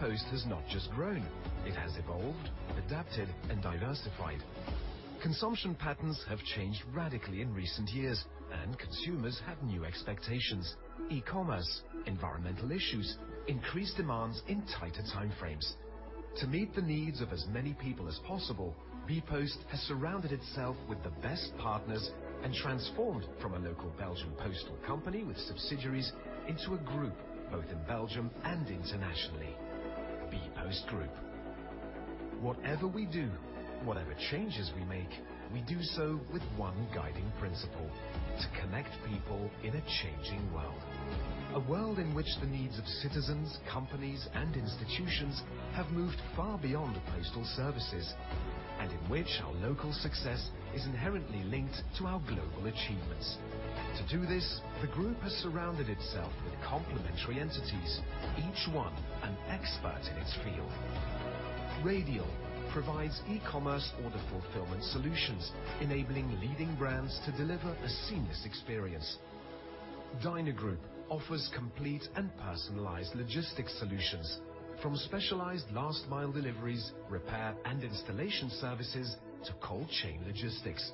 bpost has not just grown, it has evolved, adapted, and diversified. Consumption patterns have changed radically in recent years, and consumers have new expectations. E-commerce, environmental issues, increased demands in tighter time frames. To meet the needs of as many people as possible, bpost has surrounded itself with the best partners and transformed from a local Belgian postal company with subsidiaries into a group, both in Belgium and internationally, bpost group. Whatever we do, whatever changes we make, we do so with one guiding principle: To connect people in a changing world. A world in which the needs of citizens, companies, and institutions have moved far beyond postal services, and in which our local success is inherently linked to our global achievements. To do this, the group has surrounded itself with complementary entities, each one an expert in its field. Radial provides e-commerce order fulfillment solutions, enabling leading brands to deliver a seamless experience. DynaGroup offers complete and personalized logistics solutions from specialized last mile deliveries, repair and installation services, to cold chain logistics.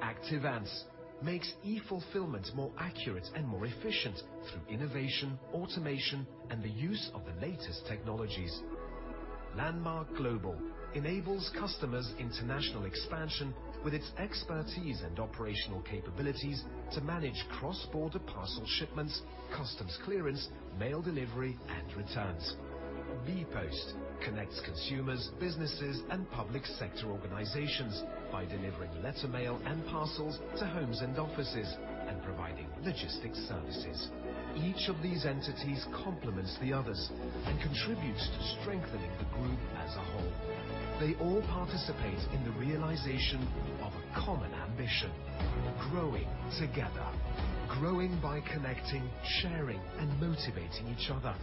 Active Ants makes e-fulfillment more accurate and more efficient through innovation, automation, and the use of the latest technologies. Landmark Global enables customers' international expansion with its expertise and operational capabilities to manage cross-border parcel shipments, customs clearance, mail delivery, and returns. bpost connects consumers, businesses, and public sector organizations by delivering letter mail and parcels to homes and offices and providing logistics services. Each of these entities complements the others and contributes to strengthening the group as a whole. They all participate in the realization of a common ambition, growing together. Growing by connecting, sharing, and motivating each other.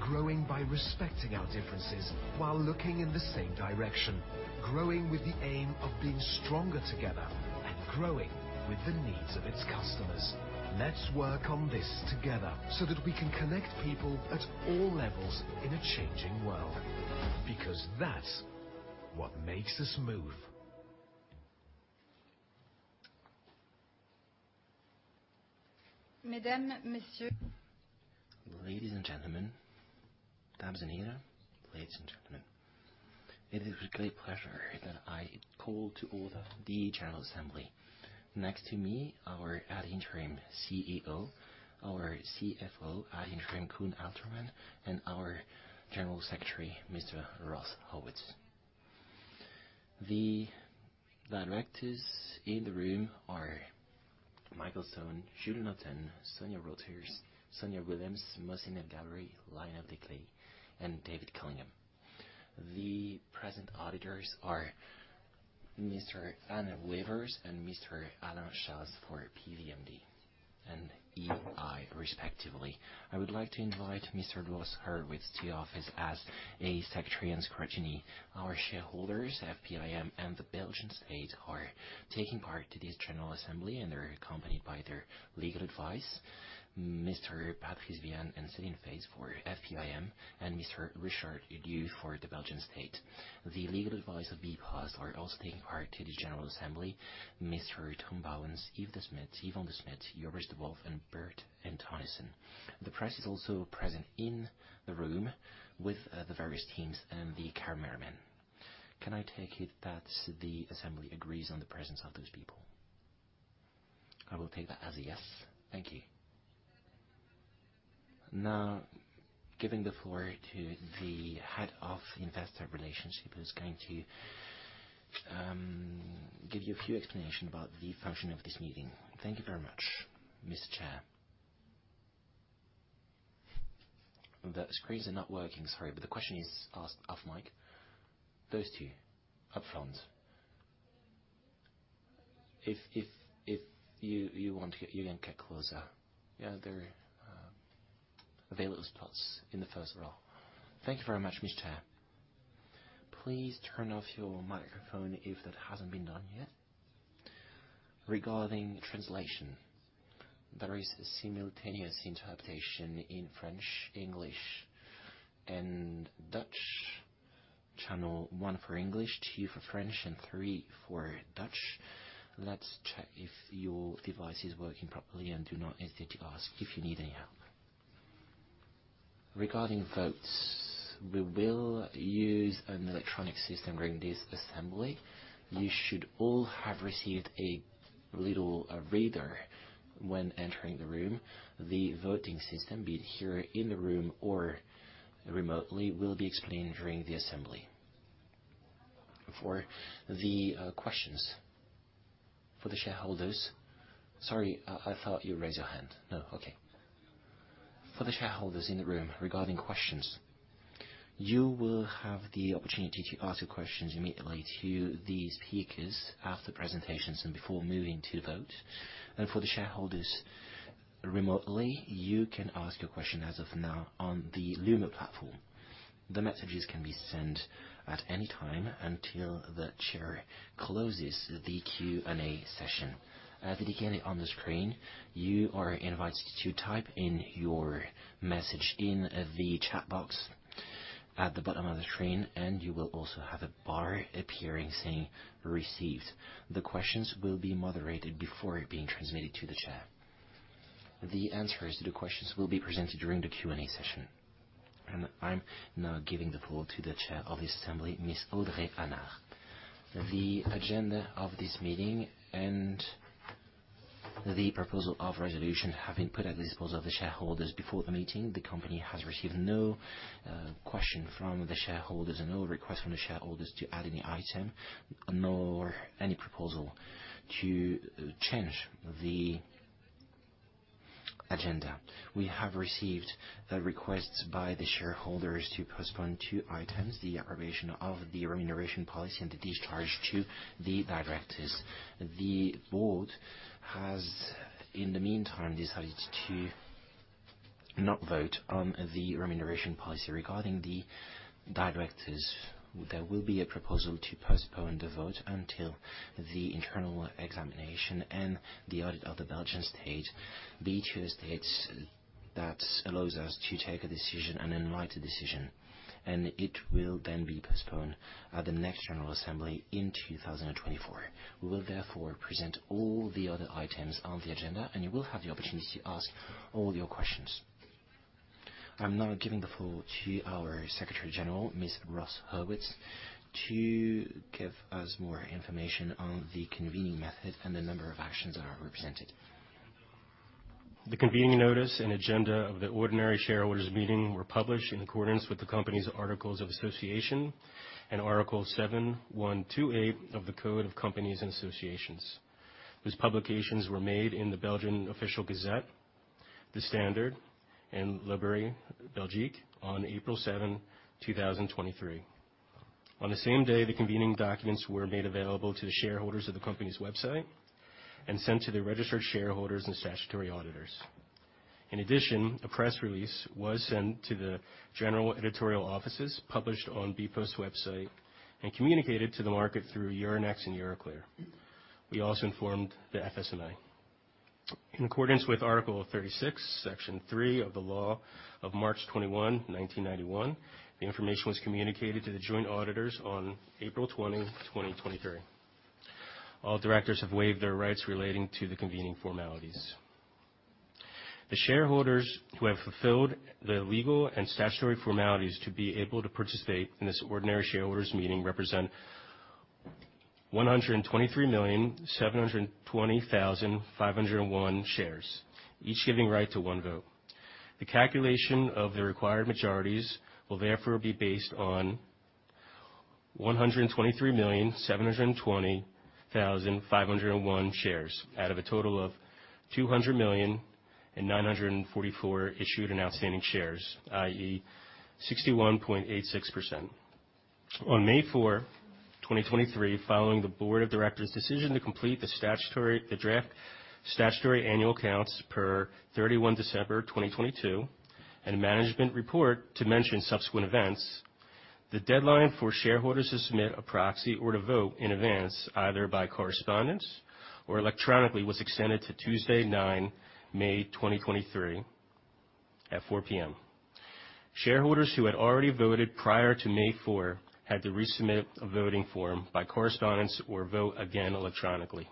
Growing by respecting our differences while looking in the same direction. Growing with the aim of being stronger together and growing with the needs of its customers. Let's work on this together so that we can connect people at all levels in a changing world, because that's what makes us move. Ladies and gentlemen. It is with great pleasure that I call to order the general assembly. Next to me, our ad interim CEO, our CFO ad interim, Koen Aelterman, and our General Secretary, Mr. Ross Hurwitz. The directors in the room are Michael Stone, Jules Noten, Sonja Rottiers, Sonja Willems, Mohssin El Ghabri, Lionel Desclée, and David Cunningham. The present auditors are Mr. Anne Wevers and Mr. Alain Schats for AldiPressPwC and EY respectively. I would like to invite Mr. Ross Hurwitz to the office as a Secretary and scrutiny our shareholders. FPIM and the Belgian state are taking part to this general assembly, and they are accompanied by their legal advice, Mr. Patrice Viane and Céline Fait for FPIM, and Mr. Richard Dewe for the Belgian state. The legal advice of bpost are also taking part to the general assembly. Tom Bouwens, Yves Desmedt, Yvonne Desmedt, Joris Dewulf, and Bert Antonissen. The press is also present in the room with the various teams and the cameramen. Can I take it that the assembly agrees on the presence of those people? I will take that as a yes. Thank you. Giving the floor to the head of investor relationship who's going to give you a few explanation about the function of this meeting. Thank you very much. Mr. Chair. The screens are not working. Sorry, the question is asked off mic. Those two up front. If you want to get closer. There are available spots in the first row. Thank you very much, Mr. Chair. Please turn off your microphone if that hasn't been done yet. Regarding translation, there is a simultaneous interpretation in French, English, and Dutch. Channel 1 for English, 2 for French, and 3 for Dutch. Let's check if your device is working properly, and do not hesitate to ask if you need any help. Regarding votes, we will use an electronic system during this assembly. You should all have received a little reader when entering the room. The voting system, be it here in the room or remotely, will be explained during the assembly. For the questions. For the shareholders... Sorry, I thought you raised your hand. No. Okay. For the shareholders in the room regarding questions, you will have the opportunity to ask questions immediately to these speakers after presentations and before moving to vote. For the shareholders remotely, you can ask your question as of now on the Lumi platform. The messages can be sent at any time until the chair closes the Q&A session. Indicated on the screen, you are invited to type in your message in the chat box at the bottom of the screen, you will also have a bar appearing saying, "Received." The questions will be moderated before being transmitted to the chair. The answers to the questions will be presented during the Q&A session. I'm now giving the floor to the chair of this assembly, Ms. Audrey Hanard. The agenda of this meeting and the proposal of resolution have been put at the disposal of the shareholders before the meeting. The company has received no question from the shareholders and no request from the shareholders to add any item nor any proposal to change the agenda. We have received the requests by the shareholders to postpone two items, the approbation of the remuneration policy and the discharge to the directors. The board has, in the meantime, decided to not vote on the remuneration policy. Regarding the directors, there will be a proposal to postpone the vote until the internal examination and the audit of the Belgian state, the two states that allows us to take a decision, an enlightened decision. It will then be postponed at the next general assembly in 2024. We will therefore present all the other items on the agenda. You will have the opportunity to ask all your questions. I'm now giving the floor to our Secretary General, Mr. Ross Hurwitz, to give us more information on the convening method and the number of actions that are represented. The convening notice and agenda of the ordinary shareholders meeting were published in accordance with the company's articles of association and Article 7:128 of the Code of Companies and Associations, whose publications were made in the Belgian Official Gazette, De Standaard and La Libre Belgique on April 7, 2023. On the same day, the convening documents were made available to the shareholders of the company's website and sent to the registered shareholders and statutory auditors. A press release was sent to the general editorial offices, published on bpost's website and communicated to the market through Euronext and Euroclear. We also informed the FSMA. In accordance with Article 36, Section 3 of the law of March 21, 1991, the information was communicated to the joint auditors on April 20, 2023. All directors have waived their rights relating to the convening formalities. The shareholders who have fulfilled the legal and statutory formalities to be able to participate in this ordinary shareholders meeting represent 123,720,501 shares, each giving right to one vote. The calculation of the required majorities will therefore be based on 123,720,501 shares out of a total of 200,000,944 issued and outstanding shares, i.e., 61.86%. On May 4, 2023, following the board of directors' decision to complete the statutory... the draft statutory annual accounts per 31 December 2022, and management report to mention subsequent events, the deadline for shareholders to submit a proxy or to vote in advance, either by correspondence or electronically, was extended to Tuesday, 9 May 2023 at 4:00 P.M. Shareholders who had already voted prior to May 4 had to resubmit a voting form by correspondence or vote again electronically.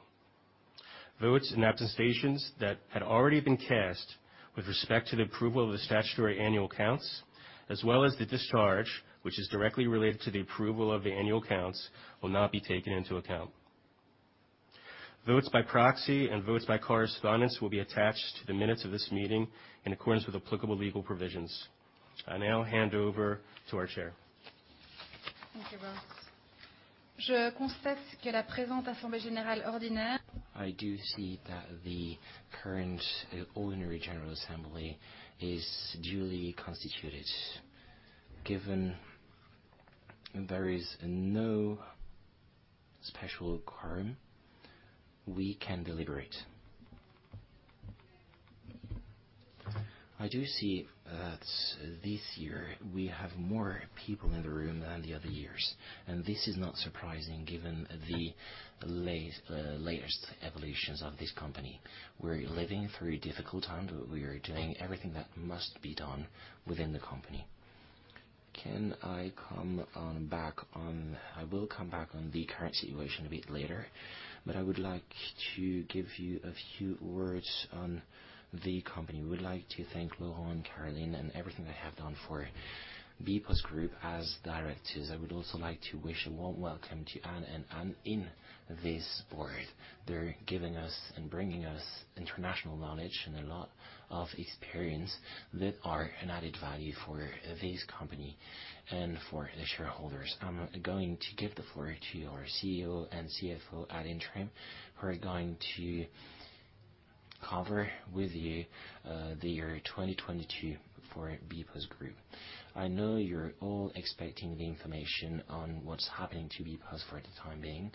Votes and abstentions that had already been cast with respect to the approval of the statutory annual accounts, as well as the discharge, which is directly related to the approval of the annual accounts, will not be taken into account. Votes by proxy and votes by correspondence will be attached to the minutes of this meeting in accordance with applicable legal provisions. I now hand over to our chair. Thank you, Ross. I do see that the current ordinary general assembly is duly constituted. Given there is no special quorum, we can deliberate. I do see that this year we have more people in the room than the other years. This is not surprising given the late latest evolutions of this company. We're living through difficult times. We are doing everything that must be done within the company. I will come back on the current situation a bit later. I would like to give you a few words on the company. We would like to thank Laurent, Caroline, and everything they have done for bpostgroup as directors. I would also like to wish a warm welcome to Anne and Anne in this board. They're giving us and bringing us international knowledge and a lot of experience that are an added value for this company and for the shareholders. I'm going to give the floor to our CEO and CFO ad interim, who are going to cover with you the year 2022 for bpostgroup. I know you're all expecting the information on what's happening to bpost for the time being.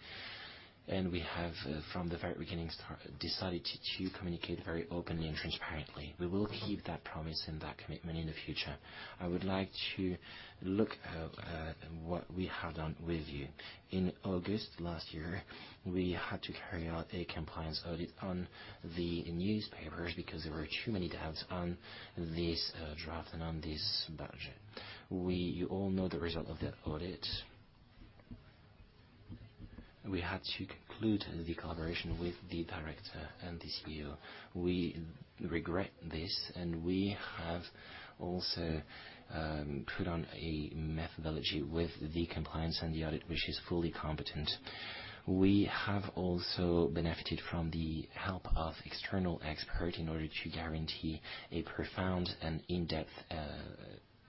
We have from the very beginning start, decided to communicate very openly and transparently. We will keep that promise and that commitment in the future. I would like to look at what we have done with you. In August last year, we had to carry out a compliance audit on the newspapers because there were too many doubts on this draft and on this budget. We all know the result of that audit. We had to conclude the collaboration with the director and the CEO. We regret this. We have also put on a methodology with the compliance and the audit, which is fully competent. We have also benefited from the help of external expert in order to guarantee a profound and in-depth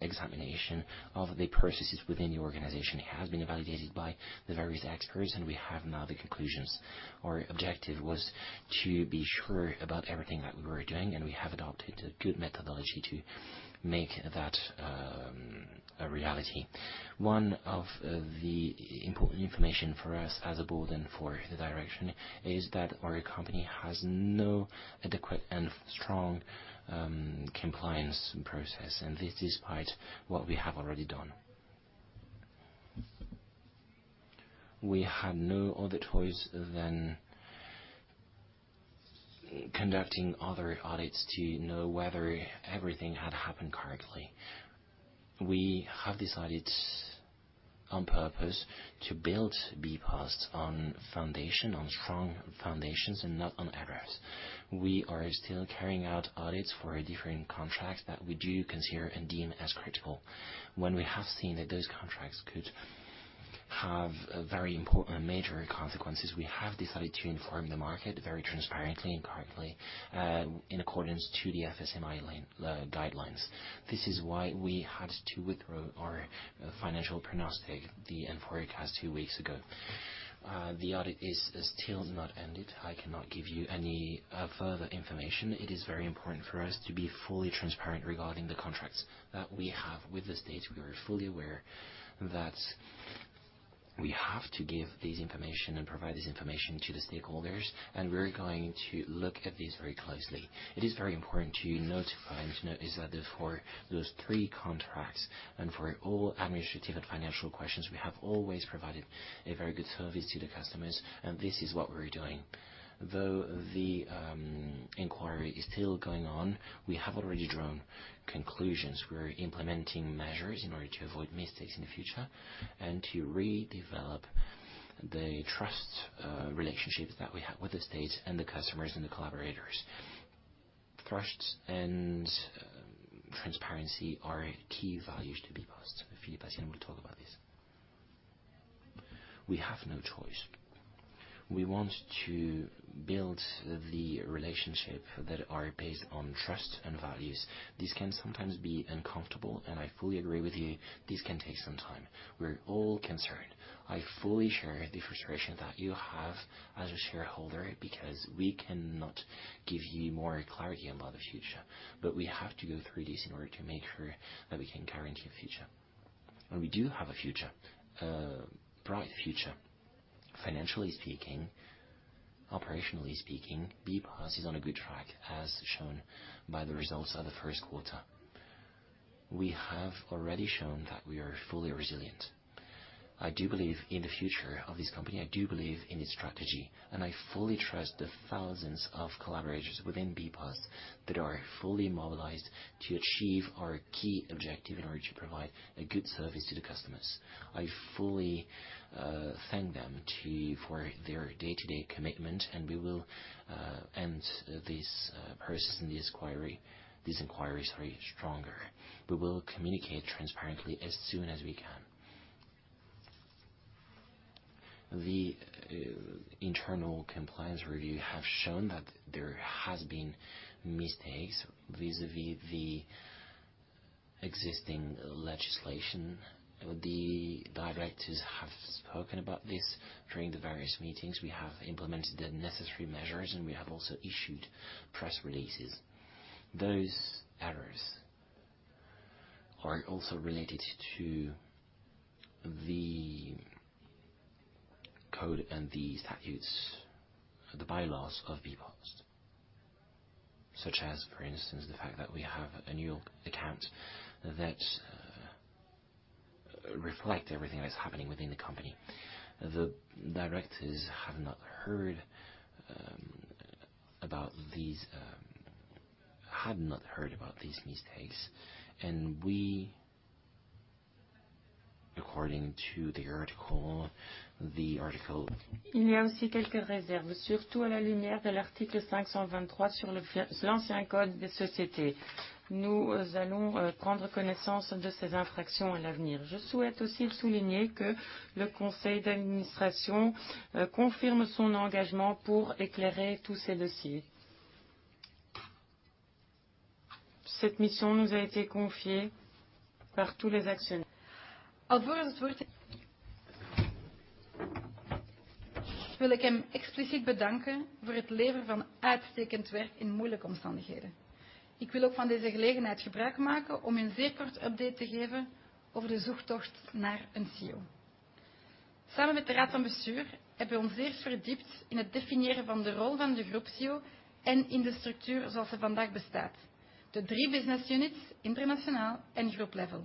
examination of the processes within the organization. It has been evaluated by the various experts. We have now the conclusions. Our objective was to be sure about everything that we were doing. We have adopted a good methodology to make that a reality. One of the important information for us as a board and for the direction is that our company has no adequate and strong compliance process. This despite what we have already done. We had no other choice than conducting other audits to know whether everything had happened correctly. We have decided on purpose to build bpost on foundation, on strong foundations and not on errors. We are still carrying out audits for different contracts that we do consider and deem as critical. When we have seen that those contracts could have very important major consequences, we have decided to inform the market very transparently and correctly in accordance to the FSMA guidelines. This is why we had to withdraw our financial prognostic, the our forecast 2 weeks ago. The audit is still not ended. I cannot give you any further information. It is very important for us to be fully transparent regarding the contracts that we have with the State. We are fully aware that we have to give this information and provide this information to the stakeholders, and we're going to look at this very closely. It is very important to notify and to notice that for those three contracts and for all administrative and financial questions, we have always provided a very good service to the customers. This is what we're doing. The inquiry is still going on. We have already drawn conclusions. We're implementing measures in order to avoid mistakes in the future and to redevelop the trust relationships that we have with the state and the customers and the collaborators. Trust and transparency are key values to bpost. Philippe Dartienne will talk about this. We have no choice. We want to build the relationship that are based on trust and values. This can sometimes be uncomfortable. I fully agree with you, this can take some time. We're all concerned. I fully share the frustration that you have as a shareholder because we cannot give you more clarity about the future. We have to go through this in order to make sure that we can guarantee a future. We do have a future, a bright future. Financially speaking, operationally speaking, bpost is on a good track, as shown by the results of the first quarter. We have already shown that we are fully resilient. I do believe in the future of this company. I do believe in its strategy, and I fully trust the thousands of collaborators within bpost that are fully mobilized to achieve our key objective in order to provide a good service to the customers. I fully thank them for their day-to-day commitment, and we will end this process and this inquiry, sorry, stronger. We will communicate transparently as soon as we can. The internal compliance review have shown that there has been mistakes vis-à-vis the existing legislation. The directors have spoken about this during the various meetings. We have implemented the necessary measures, we have also issued press releases. Those errors are also related to the code and the statutes, the bylaws of bpost, such as, for instance, the fact that we have a new account that reflect everything that is happening within the company. The directors had not heard about these mistakes, we, according to the article. Explicit bedanken voor het leveren van uitstekend werk in moeilijke omstandigheden. Ik wil ook van deze gelegenheid gebruik maken om een zeer kort update te geven over de zoektocht naar een CEO. Samen met de raad van bestuur hebben we ons eerst verdiept in het definiëren van de rol van de groep CEO en in de structuur zoals ze vandaag bestaat. De drie business units internationaal en group level.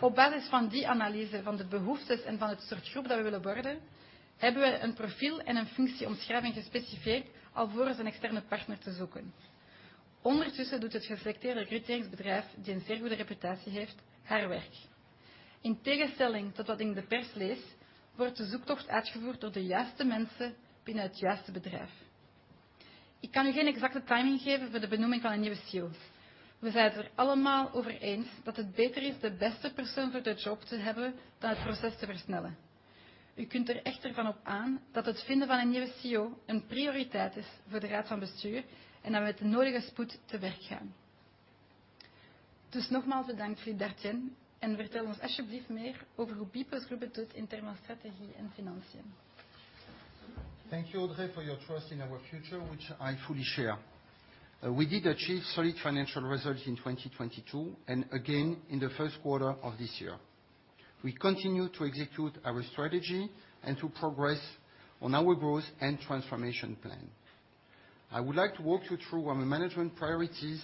Op basis van die analyse van de behoeftes en van het soort groep dat we willen worden, hebben we een profiel en een functieomschrijving gespecificeerd alvorens een externe partner te zoeken. Ondertussen doet het geselecteerde rekruteringsbedrijf, die een zeer goede reputatie heeft, haar werk. In tegenstelling tot wat ik in de pers lees, wordt de zoektocht uitgevoerd door de juiste mensen binnen het juiste bedrijf. Ik kan u geen exacte timing geven voor de benoeming van een nieuwe CEO. We zijn het er allemaal over eens dat het beter is de beste persoon voor de job te hebben dan het proces te versnellen. U kunt er echter van op aan dat het vinden van een nieuwe CEO een prioriteit is voor de raad van bestuur en dat we met de nodige spoed te werk gaan. Nogmaals bedankt, Philippe Dartienne, en vertel ons alsjeblieft meer over hoe bpost group het doet in termen van strategie en financiën. Thank you Audrey for your trust in our future, which I fully share. We did achieve solid financial results in 2022 and again in the first quarter of this year. We continue to execute our strategy and to progress on our growth and transformation plan. I would like to walk you through our management priorities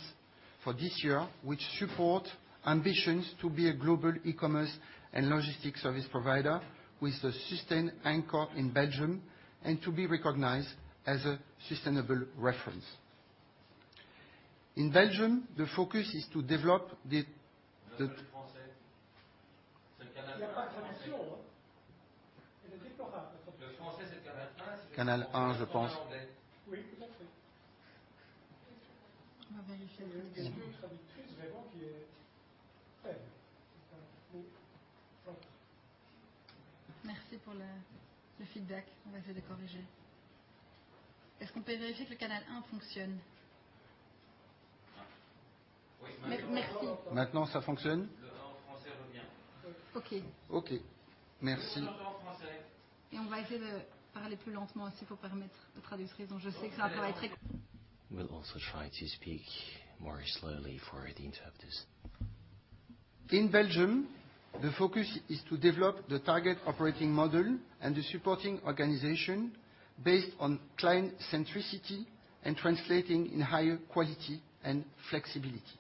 for this year, which support ambitions to be a global e-commerce and logistic service provider with a sustained anchor in Belgium and to be recognized as a sustainable reference. In Belgium, the focus is to develop the Merci pour le feedback. On va essayer de corriger. Est-ce qu'on peut vérifier que le canal 1 fonctionne? Merci. Maintenant, ça fonctionne? Le vent français revient. Ok. Ok, merci. français. On va essayer de parler plus lentement aussi pour permettre aux traductrices. Je sais que ça paraît très-. We'll also try to speak more slowly for the interpreters. In Belgium, the focus is to develop the target operating model and the supporting organization based on client centricity and translating in higher quality and flexibility.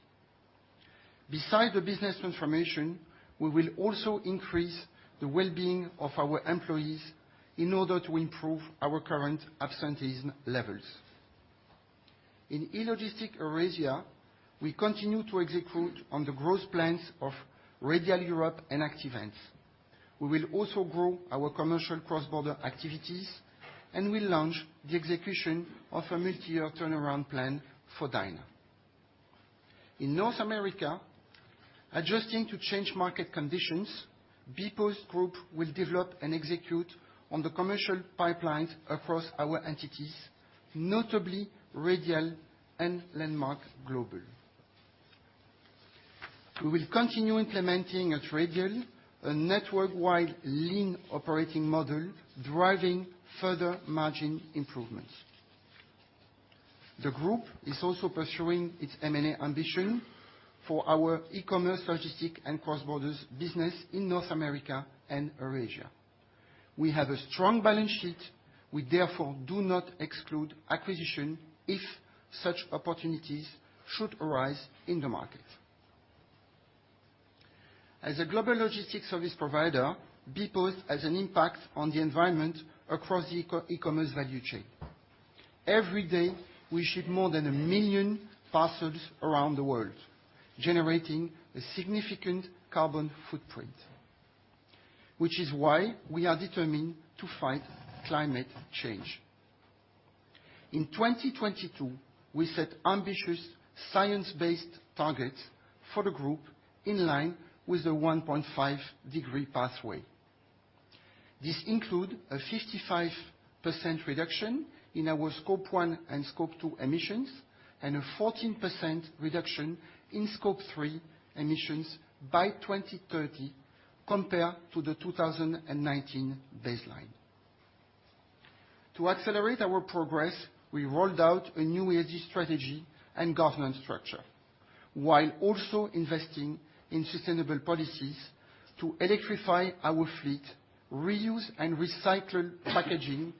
Besides the business transformation, we will also increase the well-being of our employees in order to improve our current absenteeism levels. In E-Logistics Eurasia, we continue to execute on the growth plans of Radial Europe and Active Ants. We will also grow our commercial cross-border activities and will launch the execution of a multi-year turnaround plan for Dyna. In North America, adjusting to change market conditions, bpost group will develop and execute on the commercial pipelines across our entities, notably Radial and Landmark Global. We will continue implementing at Radial a network-wide lean operating model, driving further margin improvements. The group is also pursuing its M&A ambition for our e-commerce, logistics and cross-border business in North America and Eurasia. We have a strong balance sheet. We therefore do not exclude acquisition if such opportunities should arise in the market. As a global logistics service provider, bpost has an impact on the environment across the eco-e-commerce value chain. Every day, we ship more than a million parcels around the world, generating a significant carbon footprint, which is why we are determined to fight climate change. In 2022, we set ambitious Science Based Targets for the group in line with the 1.5 degree pathway. This include a 55% reduction in our Scope 1 and Scope 2 emissions and a 14% reduction in Scope 3 emissions by 2030 compared to the 2019 baseline. To accelerate our progress, we rolled out a new energy strategy and governance structure while also investing in sustainable policies to electrify our fleet, reuse and recycle packaging,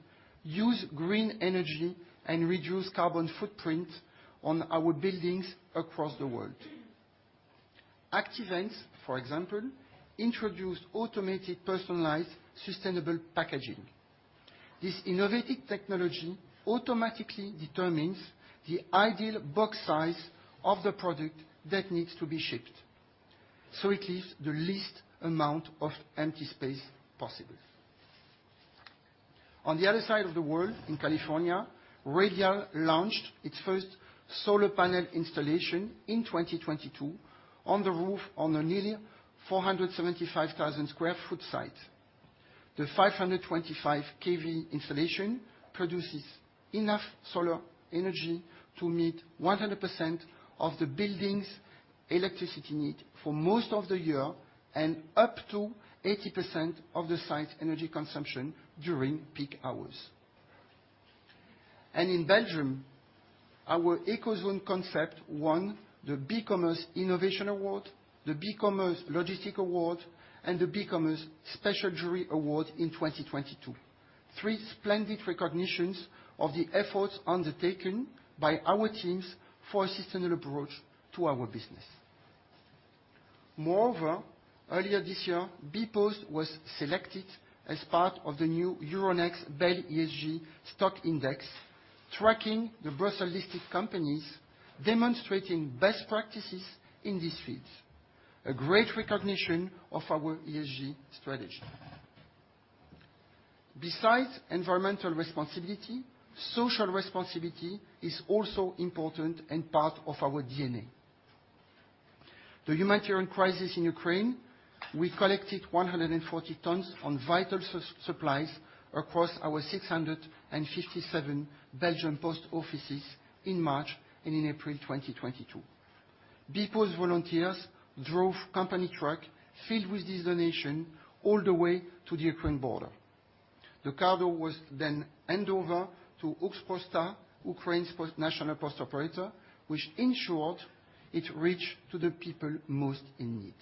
use green energy and reduce carbon footprint on our buildings across the world. Active Ants, for example, introduce automated, personalized, sustainable packaging. This innovative technology automatically determines the ideal box size of the product that needs to be shipped, so it leaves the least amount of empty space possible. On the other side of the world in California, Radial launched its first solar panel installation in 2022 on the roof on a nearly 475,000 sq ft site. The 525 kV installation produces enough solar energy to meet 100% of the buildings electricity need for most of the year and up to 80% of the site's energy consumption during peak hours. In Belgium, our Ecozone concept won the BeCommerce Innovation Award, the BeCommerce Logistics Award, and the BeCommerce Jury Award in 2022. Three splendid recognitions of the efforts undertaken by our teams for a sustainable approach to our business. Moreover, earlier this year, bpost was selected as part of the new Euronext BEL ESG stock index, tracking the Brussels-listed companies, demonstrating best practices in this field. A great recognition of our ESG strategy. Besides environmental responsibility, social responsibility is also important and part of our DNA. The humanitarian crisis in Ukraine, we collected 140 tons on vital supplies across our 657 Belgian post offices in March and in April 2022. bpost volunteers drove company truck filled with this donation all the way to the Ukraine border. The cargo was then hand over to Ukrposhta, Ukraine's post national post operator, which ensured it reached to the people most in need.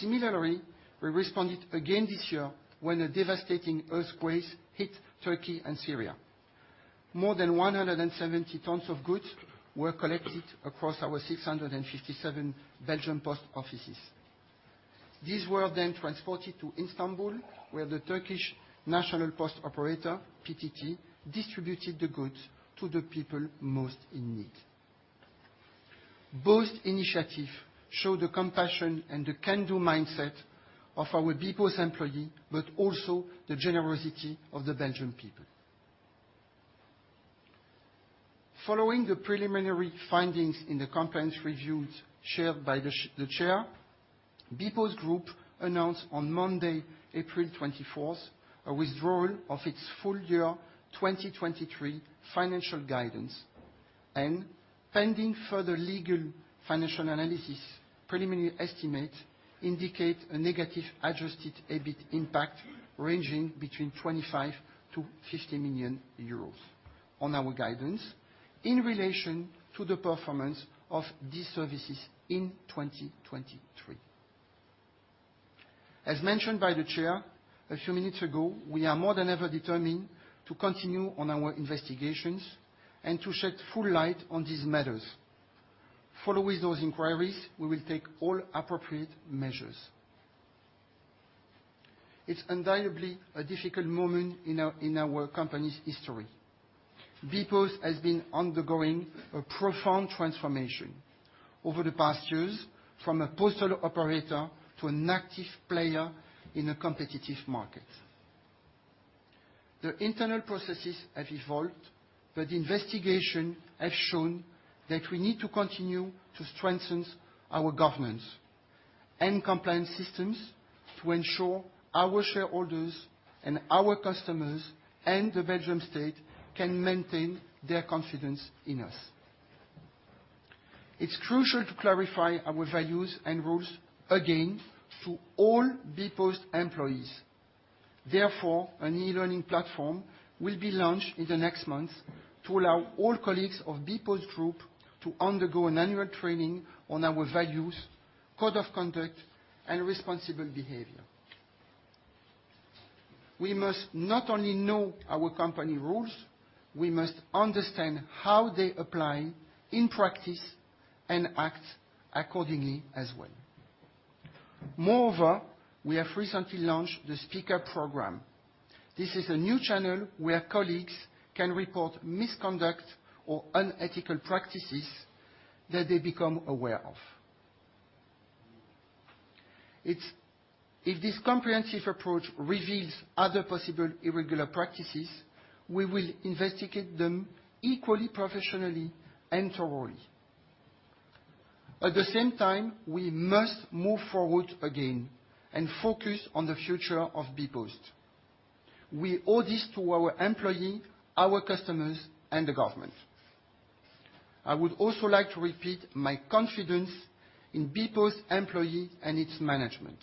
Similarly, we responded again this year when a devastating earthquake hit Turkey and Syria. More than 170 tons of goods were collected across our 657 Belgian post offices. These were then transported to Istanbul, where the Turkish national post operator, PTT, distributed the goods to the people most in need. Both initiative show the compassion and the can-do mindset of our bpost employee, but also the generosity of the Belgian people. Following the preliminary findings in the compliance reviews chaired by the chair, bpost group announced on Monday, April 24th, a withdrawal of its full year 2023 financial guidance. Pending further legal financial analysis, preliminary estimates indicate a negative adjusted EBIT impact ranging between 25 million-50 million euros on our guidance in relation to the performance of these services in 2023. Mentioned by the chair a few minutes ago, we are more than ever determined to continue on our investigations and to shed full light on these matters. Following those inquiries, we will take all appropriate measures. It's undeniably a difficult moment in our company's history. bpost has been undergoing a profound transformation over the past years from a postal operator to an active player in a competitive market. The internal processes have evolved, but the investigation has shown that we need to continue to strengthen our governance and compliance systems to ensure our shareholders and our customers and the Belgian State can maintain their confidence in us. It's crucial to clarify our values and rules again to all bpost employees. An e-learning platform will be launched in the next month to allow all colleagues of bpost group to undergo an annual training on our values, code of conduct, and responsible behavior. We must not only know our company rules, we must understand how they apply in practice and act accordingly as well. We have recently launched the Speak Up program. This is a new channel where colleagues can report misconduct or unethical practices that they become aware of. If this comprehensive approach reveals other possible irregular practices, we will investigate them equally, professionally and thoroughly. At the same time, we must move forward again and focus on the future of bpost. We owe this to our employee, our customers, and the government. I would also like to repeat my confidence in bpost employee and its management.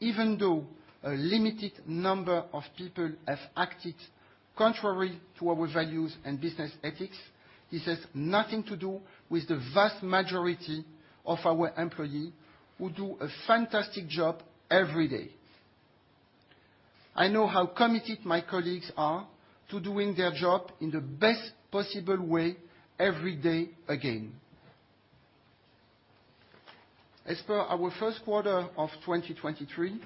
Even though a limited number of people have acted contrary to our values and business ethics, this has nothing to do with the vast majority of our employee, who do a fantastic job every day. I know how committed my colleagues are to doing their job in the best possible way every day again. As per our first quarter of 2023,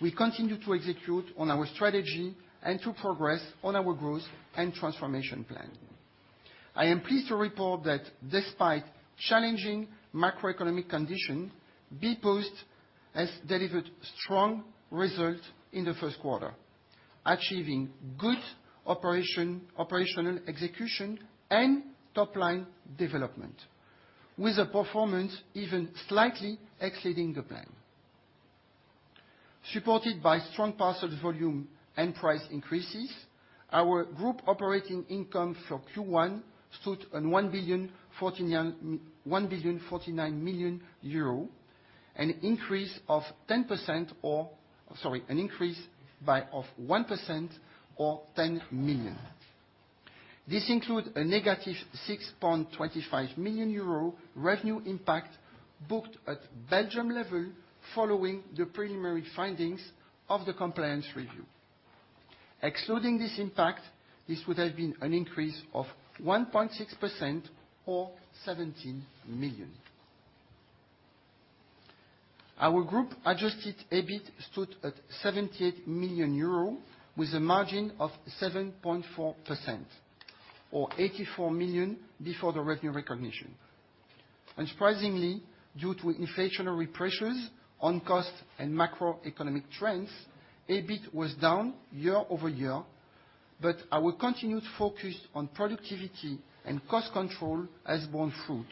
we continue to execute on our strategy and to progress on our growth and transformation plan. I am pleased to report that despite challenging macroeconomic conditions, bpost has delivered strong results in the first quarter, achieving good operational execution and top-line development with a performance even slightly exceeding the plan. Supported by strong parcels volume and price increases, our group operating income for Q1 stood on 1,049 million euro, an increase of 1% or 10 million. This includes a negative 6.25 million euro revenue impact booked at Belgium level following the preliminary findings of the compliance review. Excluding this impact, this would have been an increase of 1.6% or EUR 17 million. Our group adjusted EBIT stood at 78 million euro with a margin of 7.4%, or 84 million before the revenue recognition. Unsurprisingly, due to inflationary pressures on costs and macroeconomic trends, EBIT was down year-over-year, but our continued focus on productivity and cost control has borne fruit,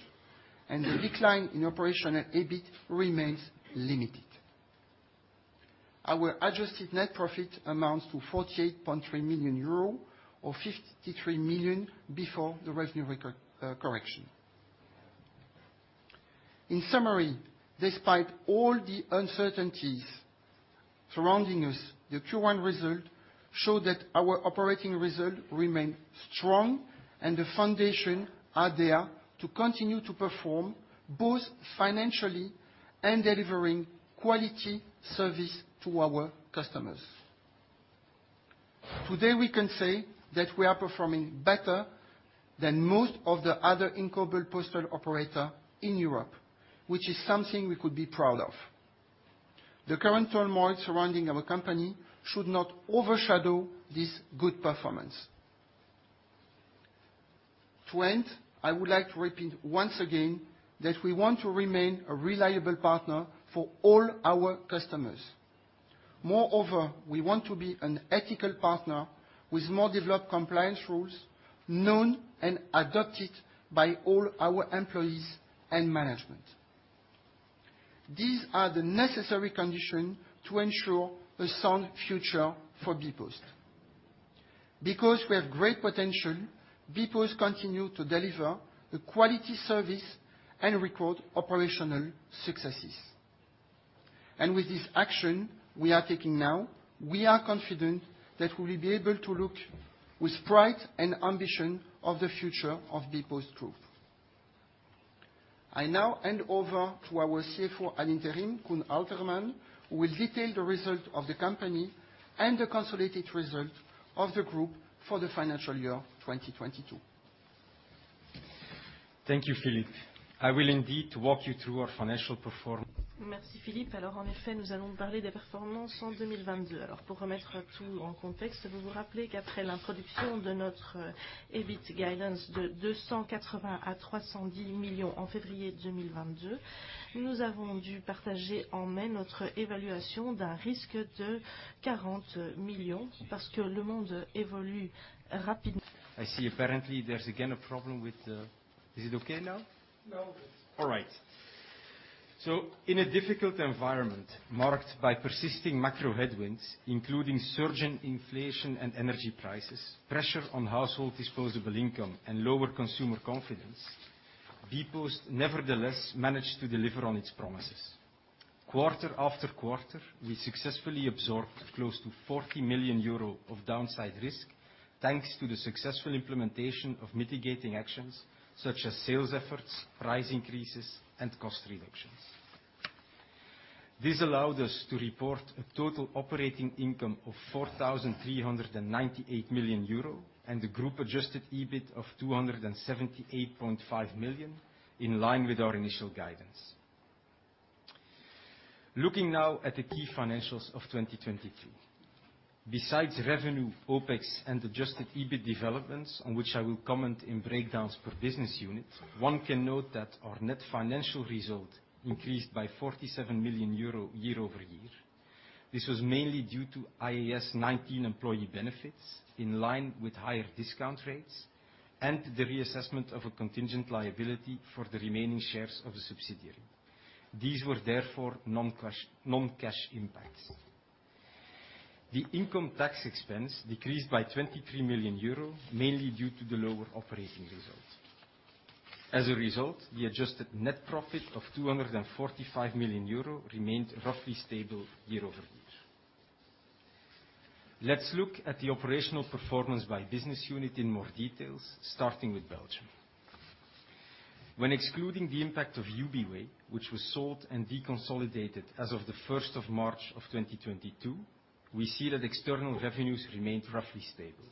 and the decline in operational EBIT remains limited. Our adjusted net profit amounts to 48.3 million euro or 53 million before the revenue record correction. In summary, despite all the uncertainties surrounding us, the Q1 result show that our operating result remain strong and the foundation are there to continue to perform both financially and delivering quality service to our customers. Today, we can say that we are performing better than most of the other incumbent postal operator in Europe, which is something we could be proud of. The current turmoil surrounding our company should not overshadow this good performance. To end, I would like to repeat once again that we want to remain a reliable partner for all our customers. Moreover, we want to be an ethical partner with more developed compliance rules known and adopted by all our employees and management. These are the necessary condition to ensure a sound future for bpost. Because we have great potential, bpost continue to deliver a quality service and record operational successes. With this action we are taking now, we are confident that we will be able to look with pride and ambition of the future of bpost group. I now hand over to our CFO ad interim, Koen Aelterman, who will detail the result of the company and the consolidated result of the group for the financial year 2022. Thank you, Philippe. I will indeed walk you through our financial perform-. Merci, Philippe. I see apparently there's again a problem with the... Is it okay now? No. All right. In a difficult environment marked by persisting macro headwinds, including surging inflation and energy prices, pressure on household disposable income and lower consumer confidence, bpost nevertheless managed to deliver on its promises. Quarter after quarter, we successfully absorbed close to 40 million euro of downside risk, thanks to the successful implementation of mitigating actions such as sales efforts, price increases, and cost reductions. This allowed us to report a total operating income of 4,398 million euro and a group-adjusted EBIT of 278.5 million, in line with our initial guidance. Looking now at the key financials of 2022. Besides revenue, OpEx, and adjusted EBIT developments, on which I will comment in breakdowns per business unit, one can note that our net financial result increased by 47 million euro year-over-year. This was mainly due to IAS 19 employee benefits in line with higher discount rates and the reassessment of a contingent liability for the remaining shares of the subsidiary. These were therefore non-cash impacts. The income tax expense decreased by 23 million euro, mainly due to the lower operating results. The adjusted net profit of 245 million euro remained roughly stable year-over-year. Let's look at the operational performance by business unit in more details, starting with Belgium. When excluding the impact of Ubiway, which was sold and deconsolidated as of the 1st of March of 2022, we see that external revenues remained roughly stable.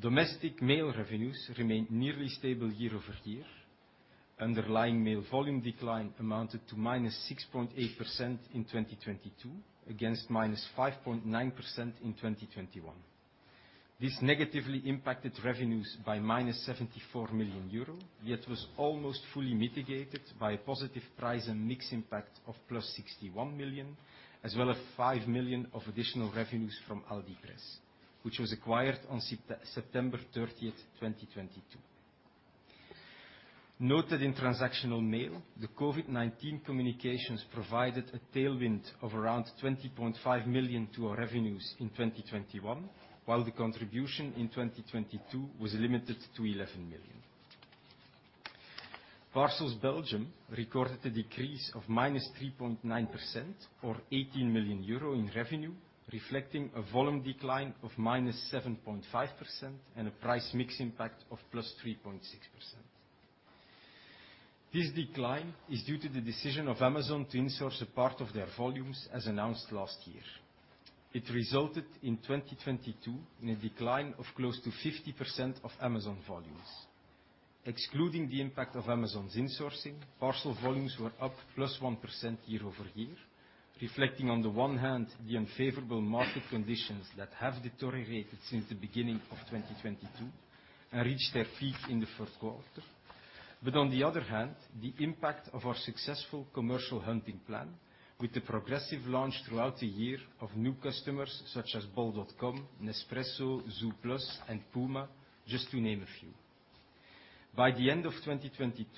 Domestic mail revenues remained nearly stable year-over-year. Underlying mail volume decline amounted to -6.8% in 2022 against -5.9% in 2021. This negatively impacted revenues by -74 million euro, yet was almost fully mitigated by a positive price and mix impact of +61 million as well as 5 million of additional revenues from AldiPress, which was acquired on September 30th, 2022. Noted in transactional mail, the COVID-19 communications provided a tailwind of around 20.5 million to our revenues in 2021, while the contribution in 2022 was limited to 11 million. Parcels Belgium recorded a decrease of -3.9% or 18 million euro in revenue, reflecting a volume decline of -7.5% and a price mix impact of +3.6%. This decline is due to the decision of Amazon to insource a part of their volumes as announced last year. It resulted in 2022 in a decline of close to 50% of Amazon volumes. Excluding the impact of Amazon's insourcing, parcel volumes were up +1% year-over-year, reflecting on the one hand, the unfavorable market conditions that have deteriorated since the beginning of 2022 and reached their peak in the fourth quarter. On the other hand, the impact of our successful commercial hunting plan with the progressive launch throughout the year of new customers such as bol.com, Nespresso, zooplus, and PUMA, just to name a few. By the end of 2022,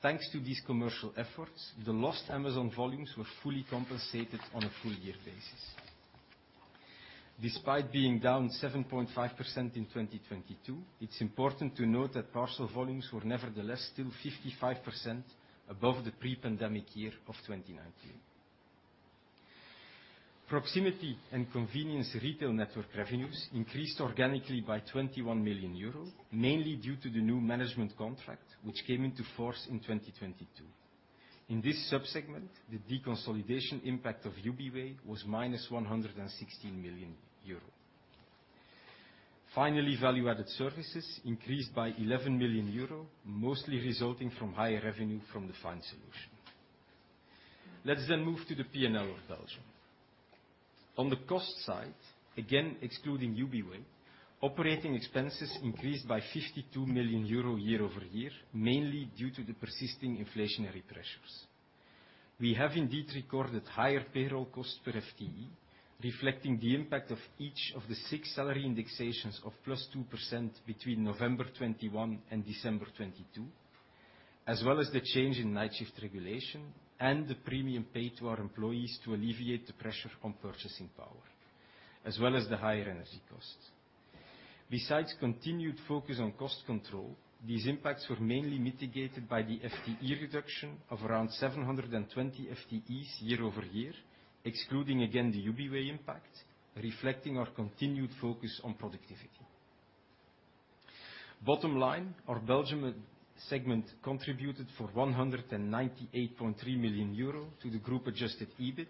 thanks to these commercial efforts, the lost Amazon volumes were fully compensated on a full year basis. Despite being down 7.5% in 2022, it's important to note that parcel volumes were nevertheless still 55% above the pre-pandemic year of 2019. Proximity and convenience retail network revenues increased organically by 21 million euro, mainly due to the new management contract, which came into force in 2022. In this sub-segment, the deconsolidation impact of Ubiway was minus 116 million euro. Finally, value-added services increased by 11 million euro, mostly resulting from higher revenue from the find solution. Move to the P&L of Belgium. On the cost side, again excluding Ubiway, operating expenses increased by 52 million euro year-over-year, mainly due to the persisting inflationary pressures. We have indeed recorded higher payroll costs per FTE, reflecting the impact of each of the 6 salary indexations of +2% between November 2021 and December 2022, as well as the change in night shift regulation and the premium paid to our employees to alleviate the pressure on purchasing power, as well as the higher energy costs. Besides continued focus on cost control, these impacts were mainly mitigated by the FTE reduction of around 720 FTEs year-over-year, excluding, again, the Ubiway impact, reflecting our continued focus on productivity. Bottom line, our Belgium segment contributed for 198.3 million euro to the group adjusted EBIT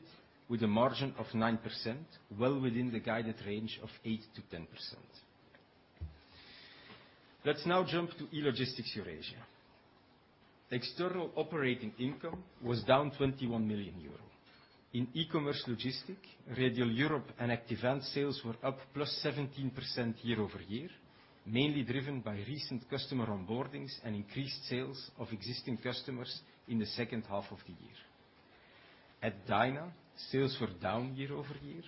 with a margin of 9%, well within the guided range of 8%-10%. Let's now jump to E-Logistics Eurasia. External operating income was down 21 million euros. In eCommerce logistics, Radial Europe and Active Ants sales were up +17% year-over-year, mainly driven by recent customer onboardings and increased sales of existing customers in the second half of the year. At Dyna, sales were down year-over-year,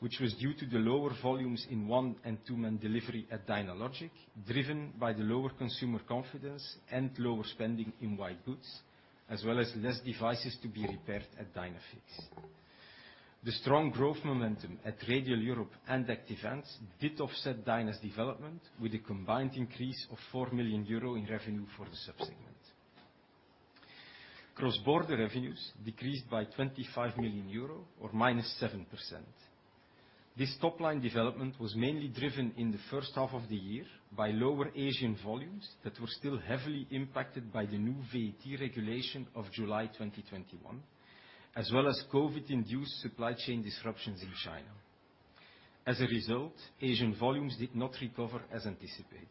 which was due to the lower volumes in one and two-man delivery at Dynalogic, driven by the lower consumer confidence and lower spending in white goods, as well as less devices to be repaired at Dynafix. The strong growth momentum at Radial Europe and Active Ants did offset Dyna's development with a combined increase of 4 million euro in revenue for the sub-segment. Cross-border revenues decreased by 25 million euro or -7%. This top-line development was mainly driven in the first half of the year by lower Asian volumes that were still heavily impacted by the new VAT regulation of July 2021, as well as COVID-induced supply chain disruptions in China. As a result, Asian volumes did not recover as anticipated.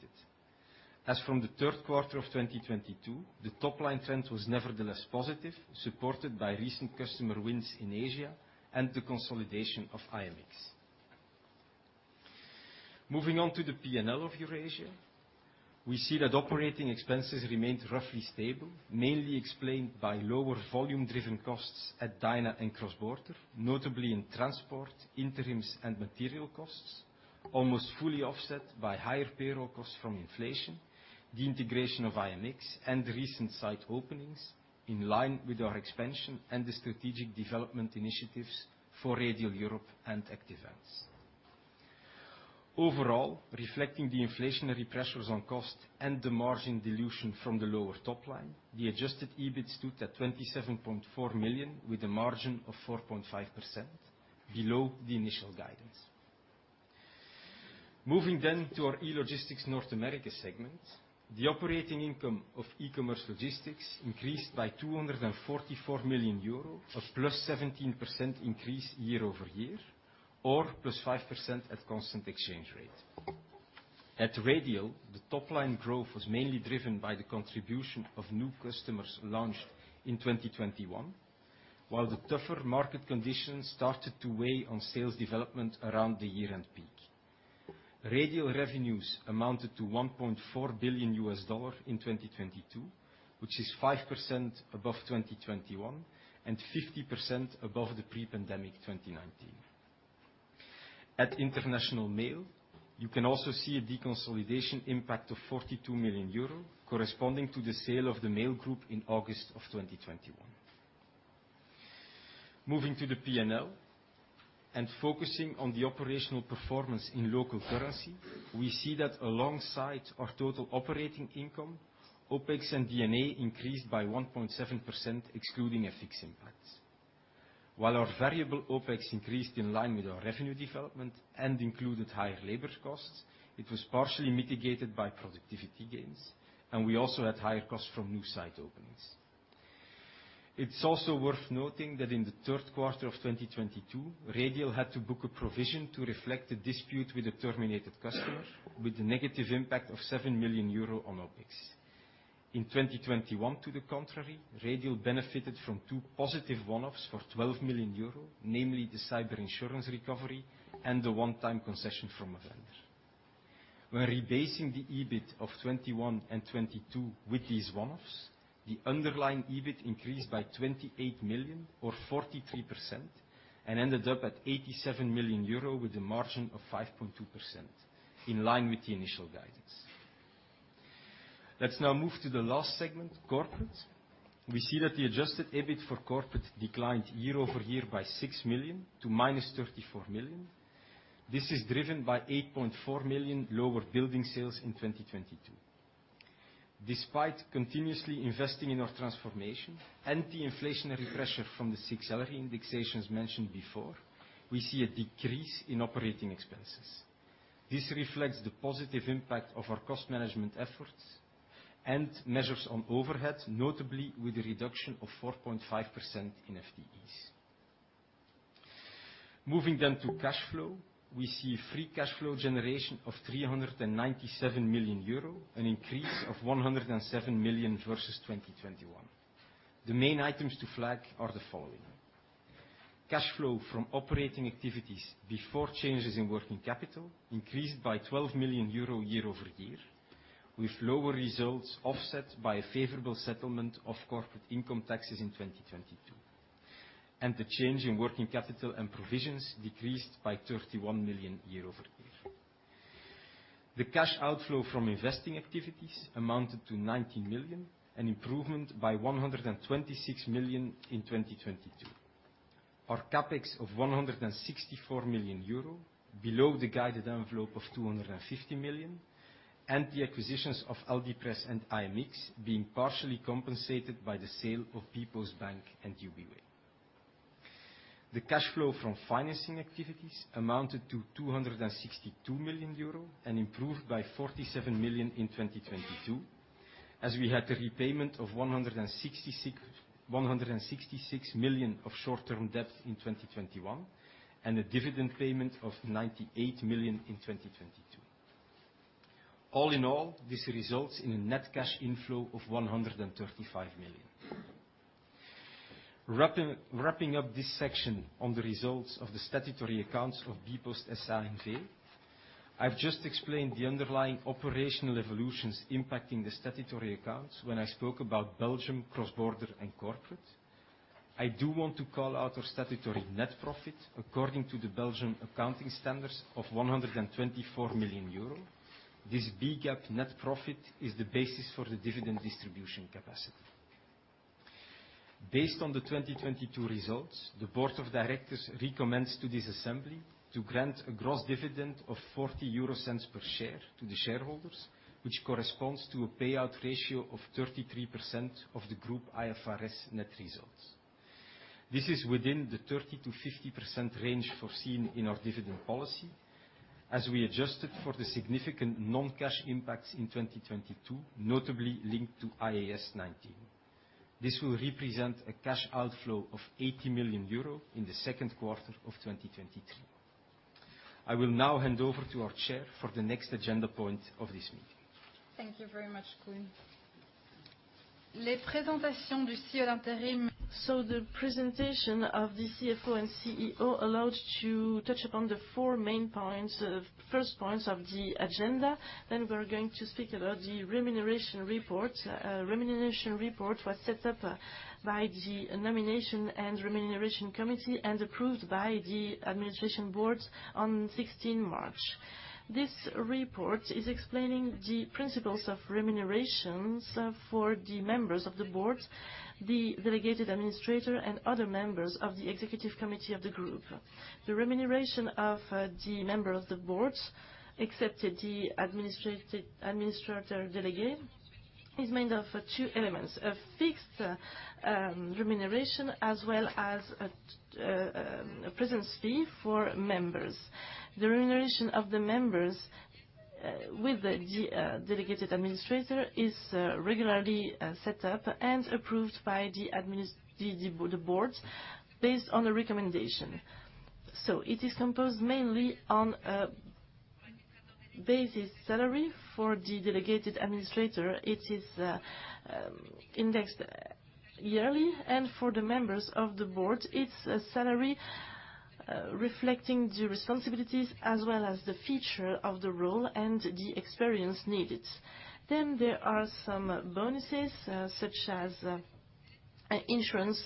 As from the third quarter of 2022, the top-line trend was nevertheless positive, supported by recent customer wins in Asia and the consolidation of IMX. Moving on to the P&L of Eurasia, we see that operating expenses remained roughly stable, mainly explained by lower volume-driven costs at Dyna and cross-border, notably in transport, interims, and material costs, almost fully offset by higher payroll costs from inflation, the integration of IMX, and the recent site openings in line with our expansion and the strategic development initiatives for Radial Europe and Active Ants. Overall, reflecting the inflationary pressures on cost and the margin dilution from the lower top line, the adjusted EBIT stood at 27.4 million with a margin of 4.5% below the initial guidance. Moving to our E-Logistics North America segment. The operating income of e-commerce logistics increased by 244 million euro, or +17% increase year-over-year, or +5% at constant exchange rate. At Radial, the top-line growth was mainly driven by the contribution of new customers launched in 2021, while the tougher market conditions started to weigh on sales development around the year-end peak. Radial revenues amounted to $1.4 billion in 2022, which is 5% above 2021 and 50% above the pre-pandemic 2019. At international mail, you can also see a deconsolidation impact of 42 million euro, corresponding to the sale of The Mail Group in August 2021. Moving to the P&L and focusing on the operational performance in local currency, we see that alongside our total operating income, OpEx and D&A increased by 1.7%, excluding FX impacts. While our variable OpEx increased in line with our revenue development and included higher labor costs, it was partially mitigated by productivity gains, and we also had higher costs from new site openings. It's also worth noting that in the third quarter of 2022, Radial had to book a provision to reflect a dispute with a terminated customer, with a negative impact of 7 million euro on OpEx. In 2021, to the contrary, Radial benefited from 2 positive one-offs for 12 million euro, namely the cyber insurance recovery and the one-time concession from a vendor. When rebasing the EBIT of 21 and 22 with these one-offs, the underlying EBIT increased by 28 million or 43% and ended up at 87 million euro with a margin of 5.2%, in line with the initial guidance. Let's now move to the last segment, corporate. We see that the adjusted EBIT for corporate declined year-over-year by 6 million to minus 34 million. This is driven by 8.4 million lower building sales in 2022. Despite continuously investing in our transformation and the inflationary pressure from the sixth salary indexations mentioned before, we see a decrease in operating expenses. This reflects the positive impact of our cost management efforts and measures on overhead, notably with a reduction of 4.5% in FTEs. Moving then to cash flow, we see free cash flow generation of 397 million euro, an increase of 107 million versus 2021. The main items to flag are the following. Cash flow from operating activities before changes in working capital increased by 12 million euro year-over-year, with lower results offset by a favorable settlement of corporate income taxes in 2022. The change in working capital and provisions decreased by 31 million euro year-over-year. The cash outflow from investing activities amounted to 19 million, an improvement by 126 million in 2022. Our CapEx of 164 million euro, below the guided envelope of 250 million, and the acquisitions of AldiPress and IMX being partially compensated by the sale of bpost bank and Ubiway. The cash flow from financing activities amounted to 262 million euro and improved by 47 million in 2022, as we had a repayment of 166 million of short-term debt in 2021 and a dividend payment of 98 million in 2022. All in all, this results in a net cash inflow of 135 million. Wrapping up this section on the results of the statutory accounts for bpost SA/NV, I've just explained the underlying operational evolutions impacting the statutory accounts when I spoke about Belgium cross-border and corporate. I do want to call out our statutory net profit, according to the Belgian accounting standards, of 124 million euro. This BGAAP net profit is the basis for the dividend distribution capacity. Based on the 2022 results, the board of directors recommends to this assembly to grant a gross dividend of 0.40 per share to the shareholders, which corresponds to a payout ratio of 33% of the group IFRS net results. This is within the 30%-50% range foreseen in our dividend policy, as we adjusted for the significant non-cash impacts in 2022, notably linked to IAS 19. This will represent a cash outflow of 80 million euro in the second quarter of 2023. I will now hand over to our chair for the next agenda point of this meeting. Thank you very much, Koen. The presentation of the CFO and CEO allowed to touch upon the four first points of the agenda. We're going to speak about the remuneration report. Remuneration report was set up by the nomination and remuneration committee and approved by the administration boards on 16 March. This report is explaining the principles of remunerations for the members of the board, the delegated administrator, and other members of the executive committee of the group. The remuneration of the member of the boards, except the administrator delegate, is made of two elements: a fixed remuneration as well as a presence fee for members. The remuneration of the members with the delegated administrator is regularly set up and approved by the board based on the recommendation. It is composed mainly on a basic salary. For the delegated administrator, it is indexed yearly, and for the members of the board, it's a salary reflecting the responsibilities as well as the feature of the role and the experience needed. There are some bonuses, such as A insurance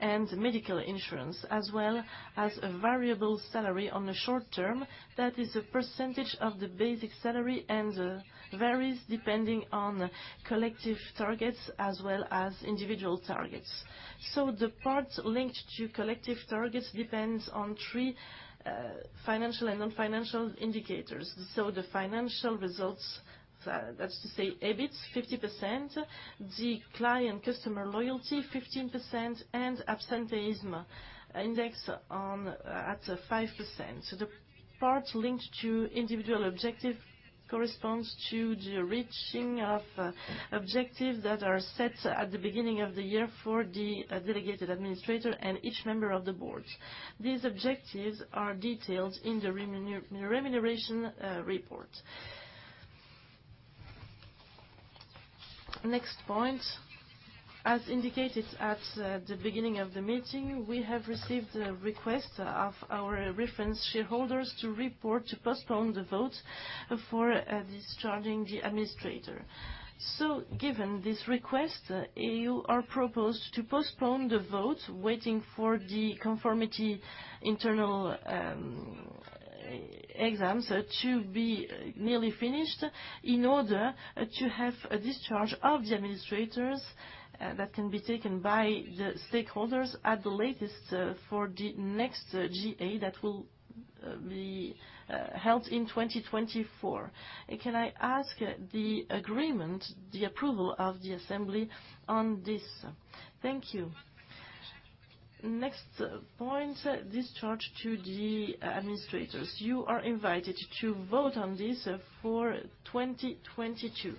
and medical insurance, as well as a variable salary on the short term that is a percentage of the basic salary and varies depending on collective targets as well as individual targets. The part linked to collective targets depends on three financial and non-financial indicators. The financial results, that's to say, EBIT, 50%, the client customer loyalty, 15%, and absenteeism index at 5%. The parts linked to individual objective corresponds to the reaching of objectives that are set at the beginning of the year for the delegated administrator and each member of the boards. These objectives are detailed in the remuneration report. Next point. As indicated at the beginning of the meeting, we have received a request of our reference shareholders to report to postpone the vote for discharging the administrator. Given this request, you are proposed to postpone the vote, waiting for the conformity internal exams to be nearly finished in order to have a discharge of the administrators that can be taken by the stakeholders at the latest for the next GA that will be held in 2024. Can I ask the agreement, the approval of the assembly on this? Thank you. Next point, discharge to the administrators. You are invited to vote on this for 2022.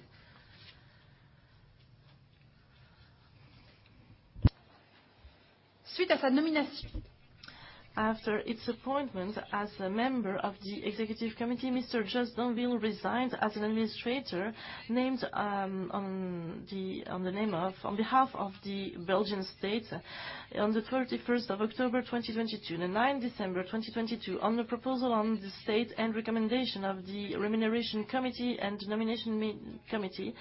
After its appointment as a member of the executive committee, Mr. Jos Donvil resigned as an administrator on behalf of the Belgian State on the 31st of October 2022. On the 9th December 2022, on the proposal on the State and recommendation of the Remuneration Committee and Nomination Committee,